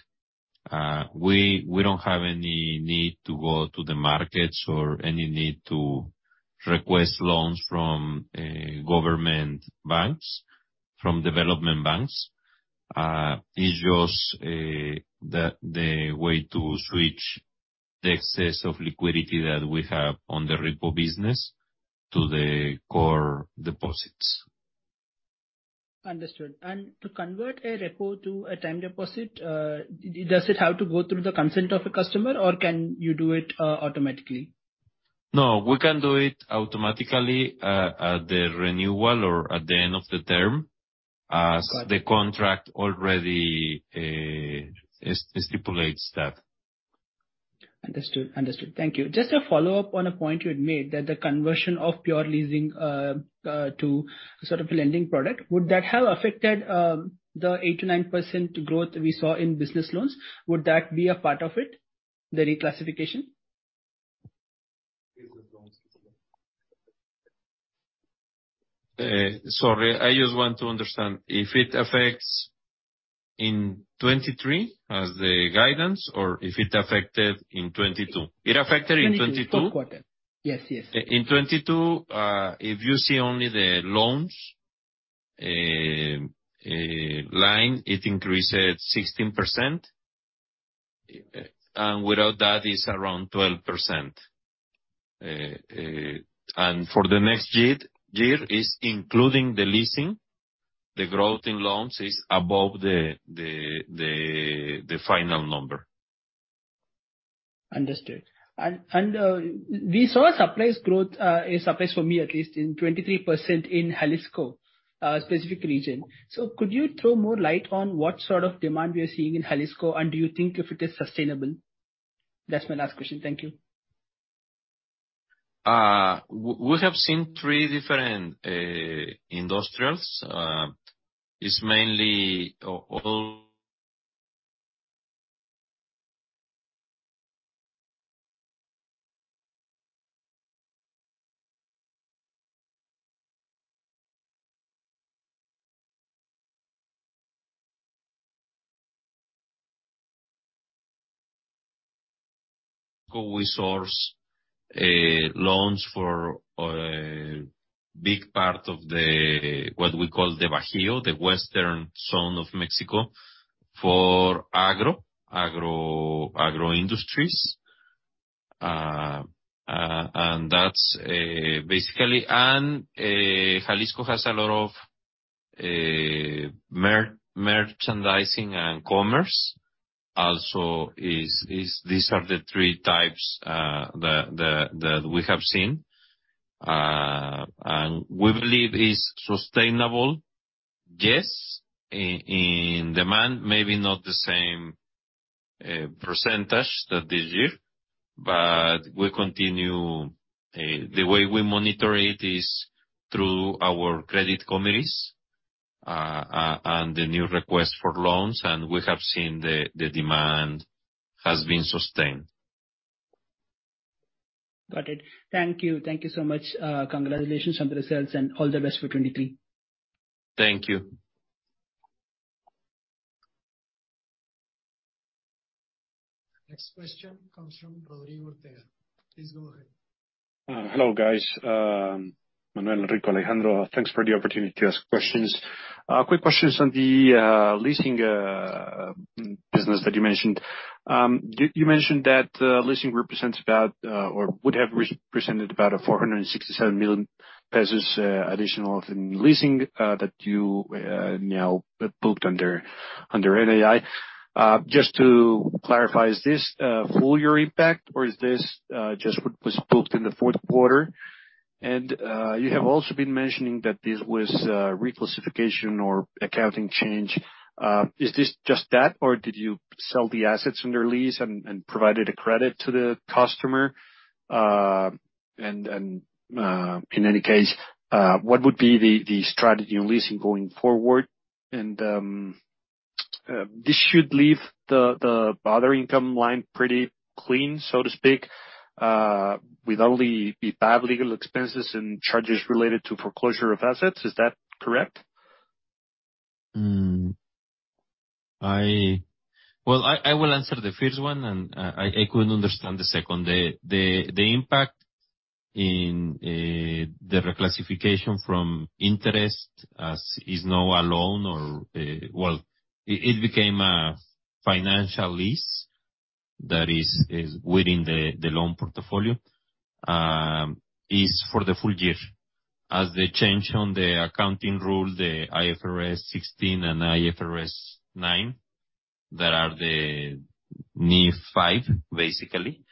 We don't have any need to go to the markets or any need to request loans from government banks, from development banks. It's just the way to switch the excess of liquidity that we have on the repo business to the core deposits. Understood. To convert a repo to a time deposit, does it have to go through the consent of a customer, or can you do it, automatically? No, we can do it automatically, at the renewal or at the end of the term. Got it. The contract already estipulates that. Understood. Understood. Thank you. Just a follow-up on a point you had made, that the conversion of pure leasing, to sort of lending product. Would that have affected, the 89% growth we saw in business loans? Would that be a part of it, the reclassification? Sorry, I just want to understand. If it affects in 2023, as the guidance, or if it affected in 2022. It affected in 2022? Fourth quarter. Yes, yes. In 2022, if you see only the loans line, it increased 16%. Without that, it's around 12%. For the next year, it's including the leasing, the growth in loans is above the final number. Understood. We saw a surprise growth, a surprise for me at least, in 23% in Jalisco, specific region. Could you throw more light on what sort of demand you're seeing in Jalisco, and do you think if it is sustainable? That's my last question. Thank you. We have seen three different industrials. It's mainly all. We source loans for a big part of the, what we call the Bajío, the western zone of Mexico, for agro industries. That's basically. Jalisco has a lot of merchandising and commerce also. These are the three types that we have seen. We believe it's sustainable, yes, in demand, maybe not the same percentage that this year, but we continue. The way we monitor it is through our credit committees and the new request for loans, and we have seen the demand has been sustained. Got it. Thank you. Thank you so much. Congratulations on the results, and all the best for 2023. Thank you. Next question comes from Rodrigo Ortega. Please go ahead. Hello, guys. Manuel, Enrique, Alejandro, thanks for the opportunity to ask questions. Quick questions on the leasing business that you mentioned. You mentioned that leasing represents about or would have re-represented about 467 million pesos additional in leasing that you now booked under NII. Just to clarify, is this full-year impact, or is this just what was booked in the fourth quarter? You have also been mentioning that this was a reclassification or accounting change. Is this just that, or did you sell the assets under lease and provided a credit to the customer? In any case, what would be the strategy on leasing going forward? This should leave the other income line pretty clean, so to speak, with only the bad legal expenses and charges related to foreclosure of assets. Is that correct? Well, I will answer the first one, and I couldn't understand the second. The impact in the reclassification from interest as is now a loan or, well, it became a financial lease that is within the loan portfolio, is for the full-year. As the change on the accounting rule, the IFRS 16 and IFRS 9, that are the new five, basically,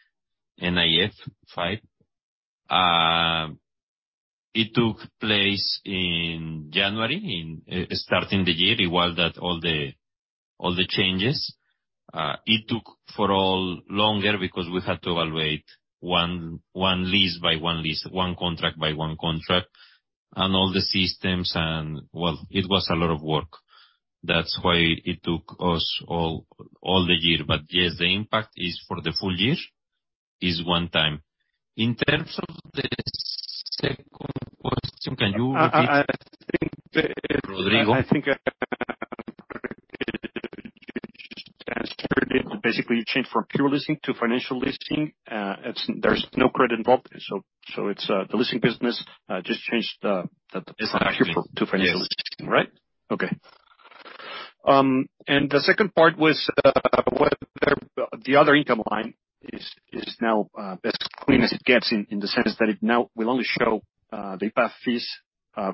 NIF 5. It took place in January, starting the year. It was that all the changes. It took for all longer because we had to evaluate one lease by one lease, one contract by one contract, and all the systems. Well, it was a lot of work. That's why it took us all the year. Yes, the impact is for the full-year, is one time. In terms of the second question, can you repeat, Rodrigo? I think the basically you change from pure leasing to financial leasing. There's no credit involved. It's the leasing business just change the. It's accurate to financial leasing, right? Okay. The second part was whether the other income line is now as clean as it gets in the sense that it now will only show the past fees,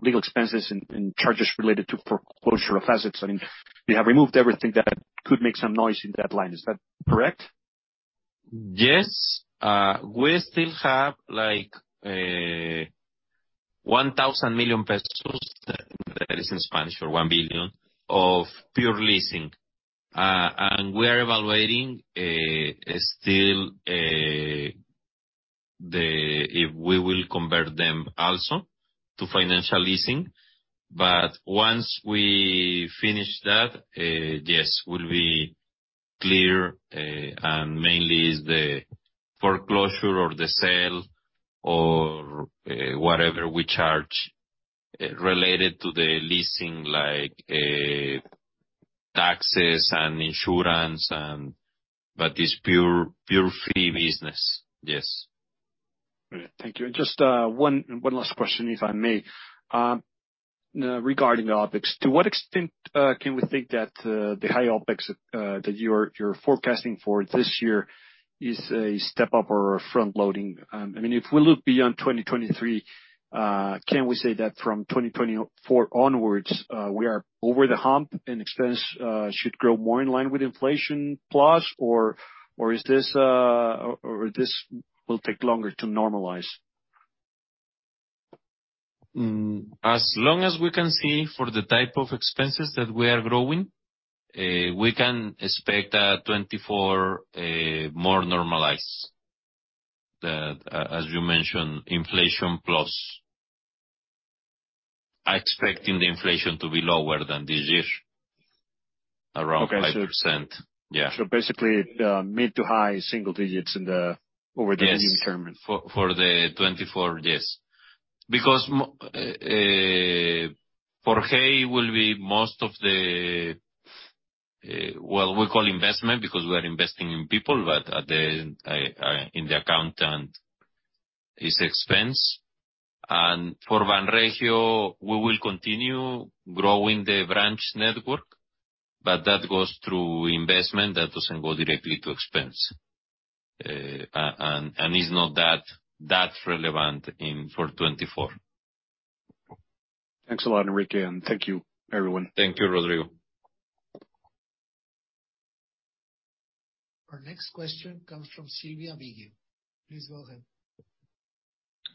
legal expenses and charges related to foreclosure of assets. I mean, you have removed everything that could make some noise in that line. Is that correct? Yes. We still have, like, 1,000 million pesos, that is in Spanish for 1 billion, of pure leasing. We are evaluating, still, if we will convert them also to financial leasing. Once we finish that, yes, we'll be clear, and mainly it's the foreclosure or the sale or, whatever we charge related to the leasing, like, taxes and insurance and... It's pure fee business. Yes. Thank you. Just one last question, if I may. Regarding the OpEx, to what extent, can we think that the high OpEx that you're forecasting for this year is a step up or a frontloading? I mean, if we look beyond 2023, can we say that from 2024 onwards, we are over the hump, and expense should grow more in line with inflation plus, or is this or this will take longer to normalize? As long as we can see for the type of expenses that we are growing, we can expect 2024 more normalized. As you mentioned, inflation plus. Expecting the inflation to be lower than this year, around 5%. Okay. Yeah. Basically, mid to high single digits. Yes. Over the medium term. For the 2024, yes. Because for Hey, will be most of the, well, we call investment because we are investing in people, but at the in the account and is expense. For Banregio, we will continue growing the branch network, but that goes through investment. That doesn't go directly to expense. Is not that relevant in, for 2024. Thanks a lot, Enrique, and thank you, everyone. Thank you, Rodrigo. Our next question comes from Silvia Bigio. Please go ahead.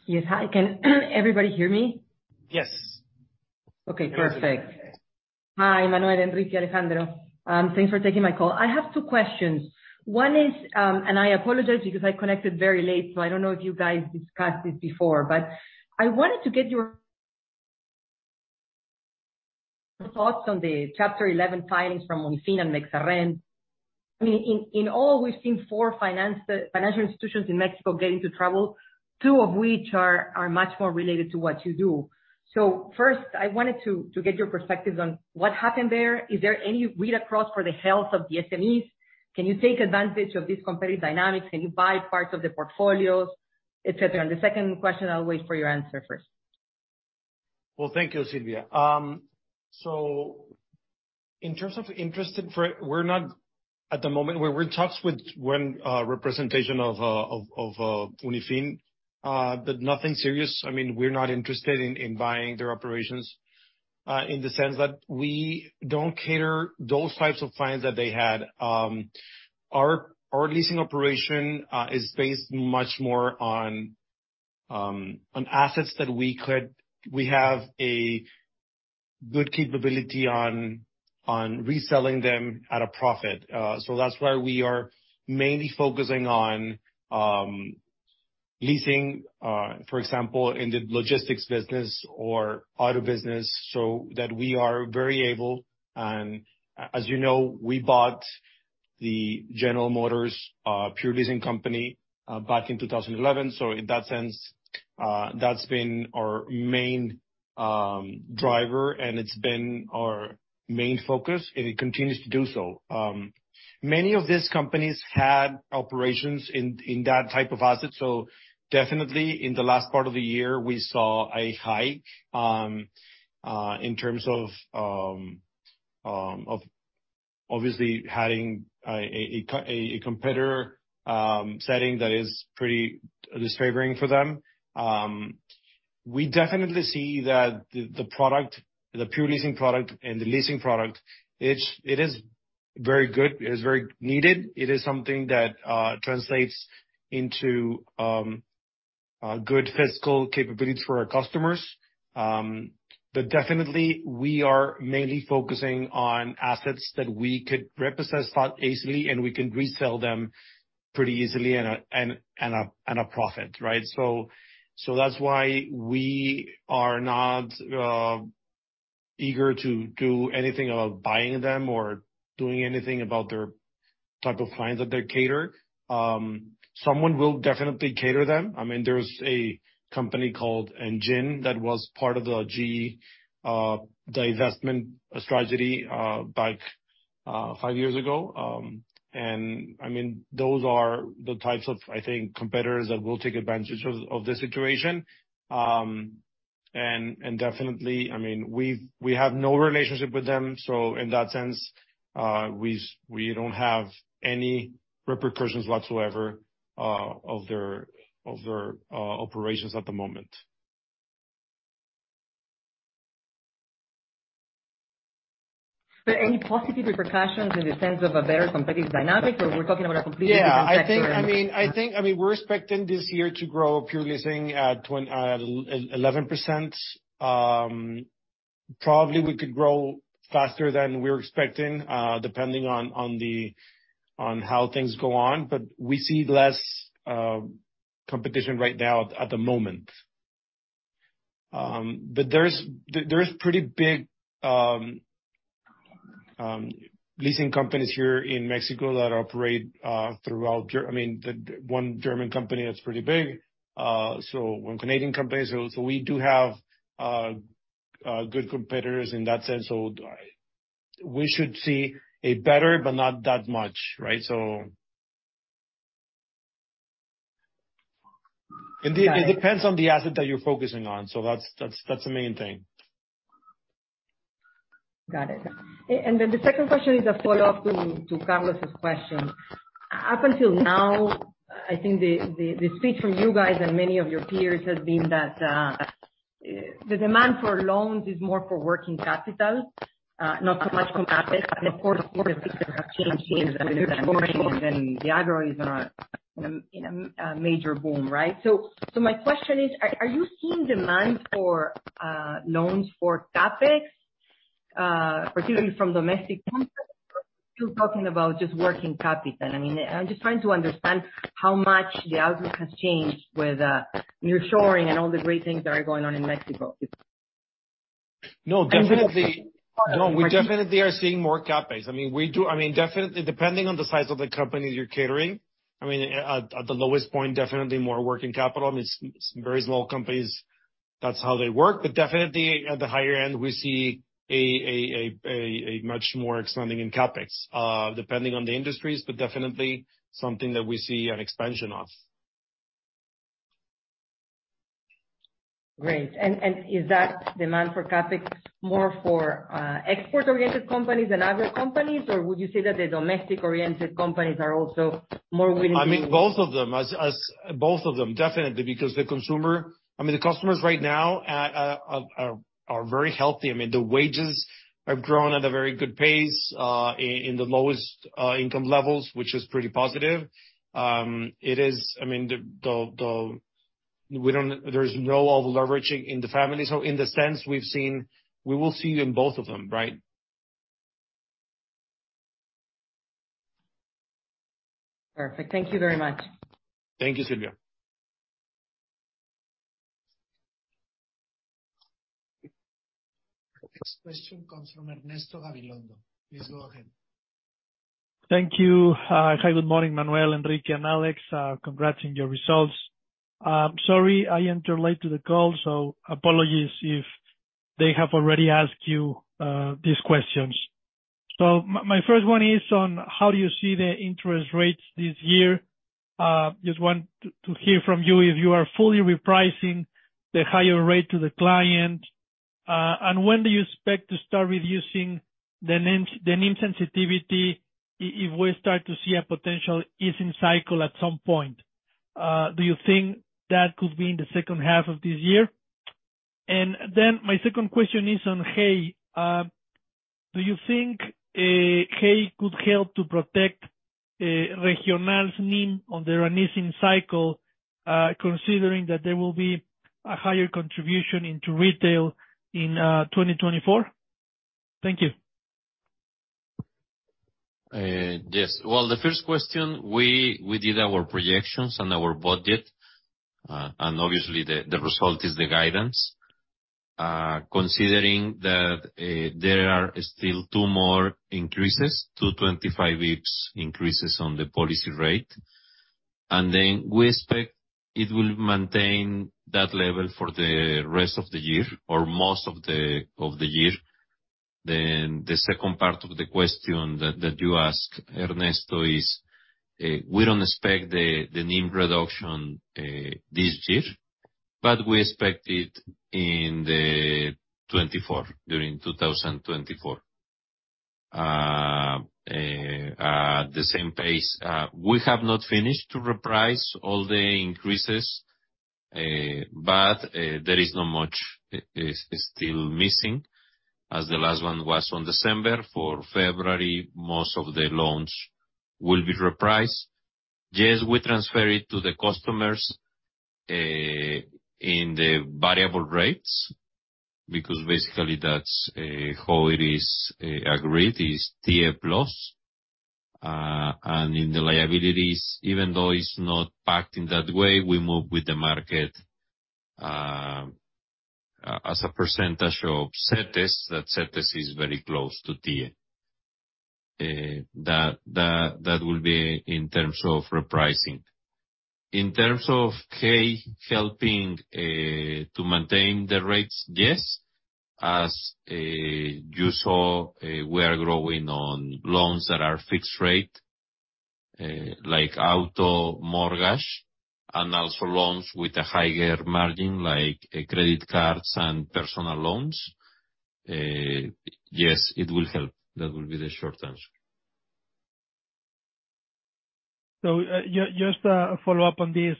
Yes. Hi. Can everybody hear me? Yes. Okay. Perfect. Hi, Manuel, Enrique, Alejandro. Thanks for taking my call. I have two questions. One is I apologize because I connected very late, so I don't know if you guys discussed this before. I wanted to get your thoughts on the Chapter 11 filings from Unifin and Mexarrend. I mean, in all, we've seen four financial institutions in Mexico get into trouble, two of which are much more related to what you do. First, I wanted to get your perspectives on what happened there. Is there any read-across for the health of the SMEs? Can you take advantage of these competitive dynamics? Can you buy parts of the portfolios, et cetera? The second question, I'll wait for your answer first. Well, thank you, Silvia. In terms of interest, we're not at the moment. We're in talks with one representation of Unifin, nothing serious. I mean, we're not interested in buying their operations in the sense that we don't cater those types of clients that they had. Our leasing operation is based much more on assets that we have a good capability on reselling them at a profit. That's why we are mainly focusing on leasing, for example, in the logistics business or auto business, so that we are very able. As you know, we bought the General Motors pure leasing company back in 2011. In that sense, that's been our main driver, and it's been our main focus, and it continues to do so. Many of these companies had operations in that type of asset. Definitely in the last part of the year, we saw a high in terms of obviously having a competitor setting that is pretty disfavoring for them. We definitely see that the product, the pure leasing product and the leasing product, it is very good. It is very needed. It is something that translates into good fiscal capabilities for our customers. Definitely we are mainly focusing on assets that we could repossess quite easily, and we can resell them pretty easily in a and a profit, right? That's why we are not eager to do anything about buying them or doing anything about their type of clients that they cater. Someone will definitely cater them. I mean, there's a company called Engine that was part of the GE divestment strategy back five years ago. I mean, those are the types of, I think, competitors that will take advantage of the situation. Definitely, I mean, we have no relationship with them. In that sense, we don't have any repercussions whatsoever of their operations at the moment. Any positive repercussions in the sense of a better competitive dynamic or we're talking about a completely different structure and... Yeah, I think, I mean, I think, I mean, we're expecting this year to grow pure leasing at 11%. Probably we could grow faster than we're expecting, depending on the, on how things go on. We see less competition right now at the moment. There's pretty big leasing companies here in Mexico that operate, I mean, the one German company that's pretty big. One Canadian company. We do have good competitors in that sense, we should see a better, but not that much, right? It depends on the asset that you're focusing on. That's the main thing. Got it. Then the second question is a follow-up to Carlos' question. Up until now, I think the speech from you guys and many of your peers has been that the demand for loans is more for working capital, not so much from that. Of course, things have changed in the short run, and the agro is in a major boom, right? My question is, are you seeing demand for loans for CapEx, particularly from domestic companies? You're talking about just working capital. I mean, I'm just trying to understand how much the outlook has changed with nearshoring and all the great things that are going on in Mexico. No, definitely. No, we definitely are seeing more CapEx. I mean, definitely depending on the size of the company you're catering. I mean, at the lowest point, definitely more working capital. I mean, small companies, that's how they work. Definitely at the higher end, we see a much more expanding in CapEx, depending on the industries, but definitely something that we see an expansion of. Great. Is that demand for CapEx more for export-oriented companies than other companies? Or would you say that the domestic-oriented companies are also more willing? I mean, both of them. Both of them, definitely. The customers right now are very healthy. I mean, the wages have grown at a very good pace in the lowest income levels, which is pretty positive. It is, I mean, there's no overleveraging in the family. In the sense we've seen, we will see in both of them, right? Perfect. Thank you very much. Thank you, Silvia. Next question comes from Ernesto Gabilondo. Please go ahead. Thank you. Hi, good morning, Manuel, Enrique, and Alex. Congrats on your results. Sorry, I entered late to the call, so apologies if they have already asked you these questions. My first one is on how do you see the interest rates this year? Just want to hear from you if you are fully repricing the higher rate to the client. When do you expect to start reducing the NIM sensitivity if we start to see a potential easing cycle at some point? Do you think that could be in the second half of this year? My second question is on Hey. Do you think Hey could help to protect Regional's NIM on their easing cycle, considering that there will be a higher contribution into retail in 2024? Thank you. Yes. Well, the first question, we did our projections on our budget, obviously the result is the guidance. Considering that there are still two more increases, two 25 basis points increases on the policy rate. Then we expect it will maintain that level for the rest of the year or most of the year. The second part of the question that you asked, Ernesto, is we don't expect the NIM reduction this year, but we expect it in 2024, during 2024. The same pace. We have not finished to reprice all the increases, but there is not much still missing, as the last one was on December. For February, most of the loans will be repriced. Yes, we transfer it to the customers, in the variable rates, because basically that's how it is agreed, is TIIE plus. In the liabilities, even though it's not packed in that way, we move with the market, as a percentage of CETES. That CETES is very close to TIIE. That will be in terms of repricing. In terms of Hey helping, to maintain the rates, yes. As you saw, we are growing on loans that are fixed rate, like auto mortgage, and also loans with a higher margin, like credit cards and personal loans. Yes, it will help. That will be the short answer. Just a follow-up on this.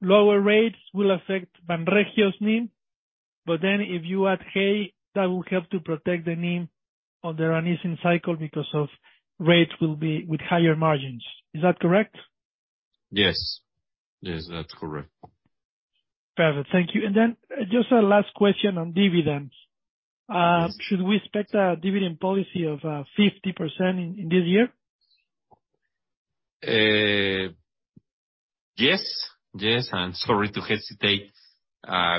lower rates will affect Banregio's NIM, but then if you add Hey, that will help to protect the NIM on the rising cycle because of rates will be with higher margins. Is that correct? Yes. Yes, that's correct. Perfect. Thank you. Then just a last question on dividends. Yes. Should we expect a dividend policy of 50% in this year? Yes. Yes, sorry to hesitate.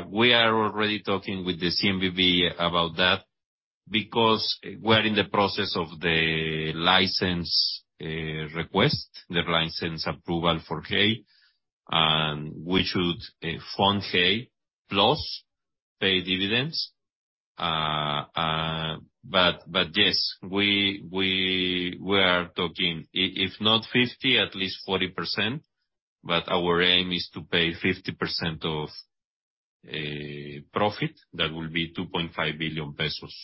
We are already talking with the CNBV about that because we're in the process of the license, request, the license approval for Hey, and we should fund Hey plus pay dividends. Yes, we are talking if not 50, at least 40%, but our aim is to pay 50% of profit. That will be 2.5 billion pesos.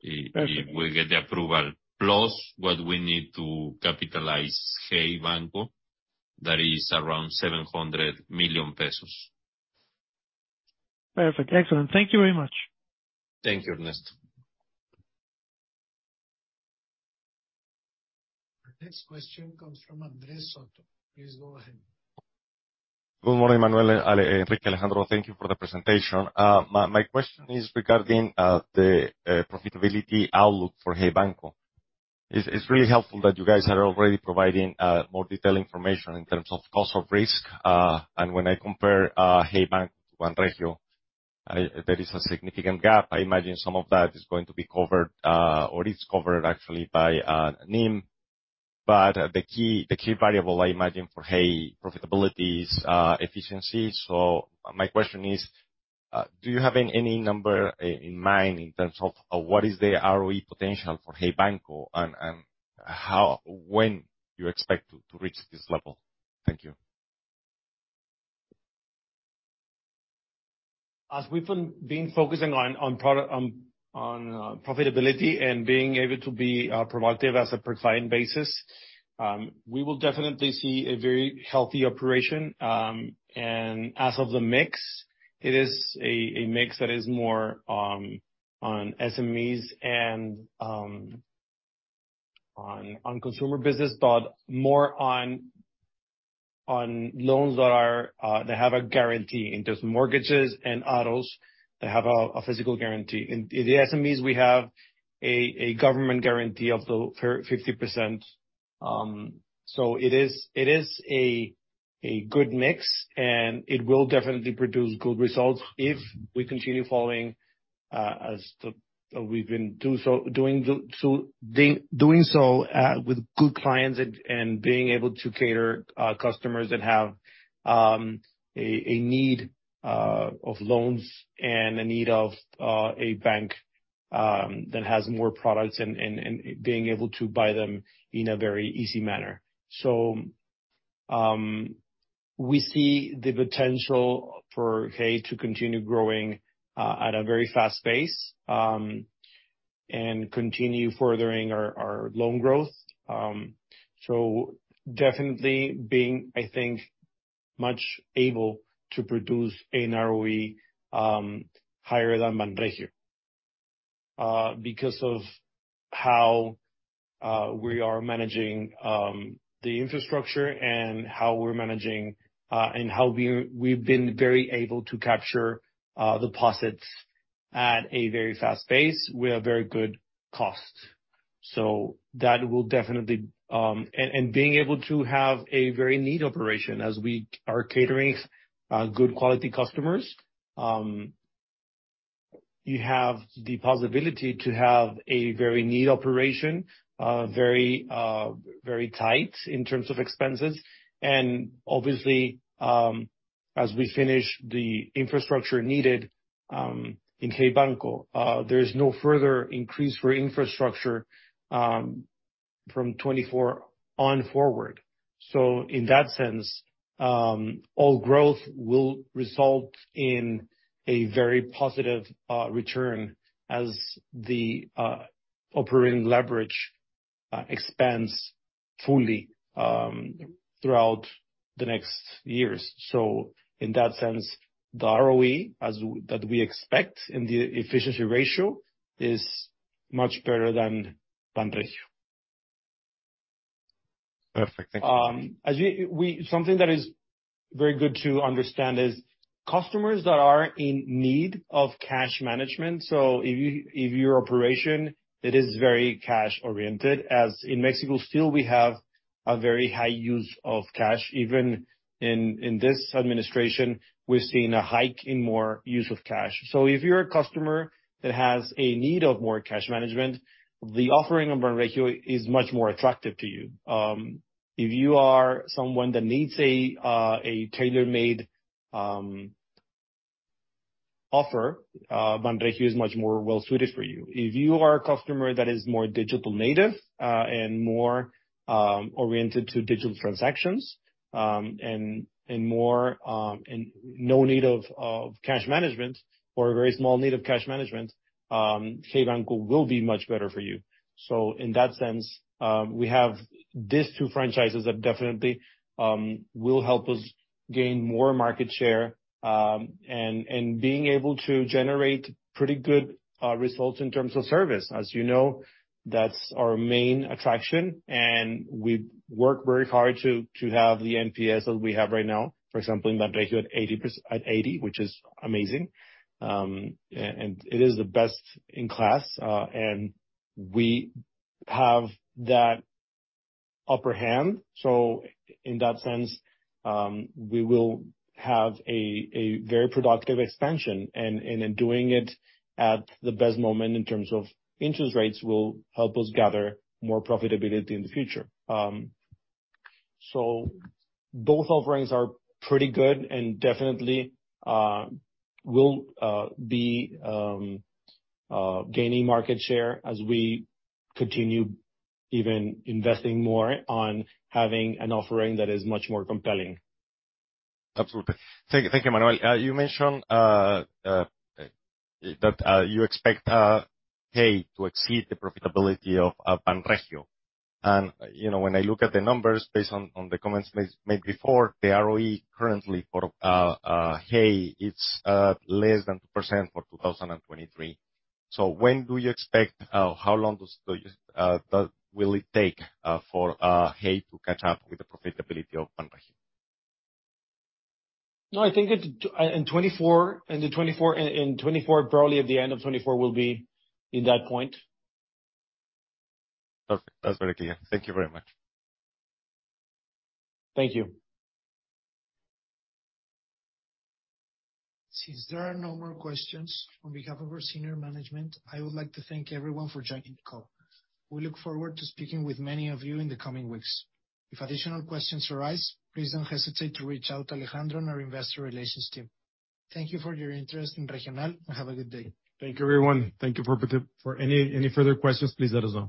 Perfect. If we get the approval, plus what we need to capitalize Hey Banco, that is around 700 million pesos. Perfect. Excellent. Thank you very much. Thank you, Ernesto. Our next question comes from Andrés Soto. Please go ahead. Good morning, Manuel, Enrique, Alejandro. Thank you for the presentation. My question is regarding the profitability outlook for Hey Banco. It's really helpful that you guys are already providing more detailed information in terms of cost of risk. And when I compare Hey Banco to Banregio, there is a significant gap. I imagine some of that is going to be covered, or is covered actually by NIM. But the key, the key variable I imagine for Hey profitability is efficiency. So my question is, do you have any number in mind in terms of what is the ROE potential for Hey Banco and how, when you expect to reach this level? Thank you. As we've been focusing on product... on profitability and being able to be productive as a per client basis, we will definitely see a very healthy operation. As of the mix, it is a mix that is more on SMEs and on consumer business, but more on loans that are that have a guarantee. In terms of mortgages and autos, they have a physical guarantee. In the SMEs, we have a government guarantee of the 50%. It is a good mix, and it will definitely produce good results if we continue following as we've been doing so with good clients and being able to cater customers that have a need of loans and a need of a bank that has more products and being able to buy them in a very easy manner. We see the potential for Hey to continue growing at a very fast pace and continue furthering our loan growth. Definitely being able to produce an ROE higher than Banregio because of how we are managing the infrastructure and how we're managing and how we've been very able to capture deposits at a very fast pace with a very good cost. That will definitely. Being able to have a very neat operation as we are catering good quality customers. You have the possibility to have a very neat operation, very, very tight in terms of expenses. Obviously, as we finish the infrastructure needed, in Hey Banco, there's no further increase for infrastructure from 2024 on forward. In that sense, all growth will result in a very positive return as the operating leverage expands fully throughout the next years. In that sense, the ROE that we expect and the efficiency ratio is much better than Banregio. Perfect. Thank you. As something that is very good to understand is customers that are in need of cash management, if you, if your operation, it is very cash oriented, as in Mexico still we have a very high use of cash. Even in this administration, we're seeing a hike in more use of cash. If you're a customer that has a need of more cash management, the offering of Banregio is much more attractive to you. If you are someone that needs a tailor-made offer, Banregio is much more well suited for you. If you are a customer that is more digital native and more oriented to digital transactions and more and no need of cash management or a very small need of cash management, Hey Banco will be much better for you. In that sense, we have these two franchises that definitely will help us gain more market share and being able to generate pretty good results in terms of service. As you know, that's our main attraction, and we work very hard to have the NPS that we have right now. For example, in Banregio at 80%, which is amazing. And it is the best in class. And we have that upper hand. In that sense, we will have a very productive expansion. In doing it at the best moment in terms of interest rates will help us gather more profitability in the future. Both offerings are pretty good, and definitely, we'll be gaining market share as we continue even investing more on having an offering that is much more compelling. Absolutely. Thank you. Thank you, Manuel. You mentioned that you expect Hey to exceed the profitability of Banregio. And, you know, when I look at the numbers based on the comments made before, the ROE currently for Hey, it's less than 2% for 2023. When do you expect, how long will it take for Hey to catch up with the profitability of Banregio? No, I think it's in 2024, probably at the end of 2024 we'll be in that point. Perfect. That's very clear. Thank you very much. Thank you. Since there are no more questions, on behalf of our senior management, I would like to thank everyone for joining the call. We look forward to speaking with many of you in the coming weeks. If additional questions arise, please don't hesitate to reach out to Alejandro in our investor relations team. Thank you for your interest in Regional, and have a good day. Thank you, everyone. Thank you. For any further questions, please let us know.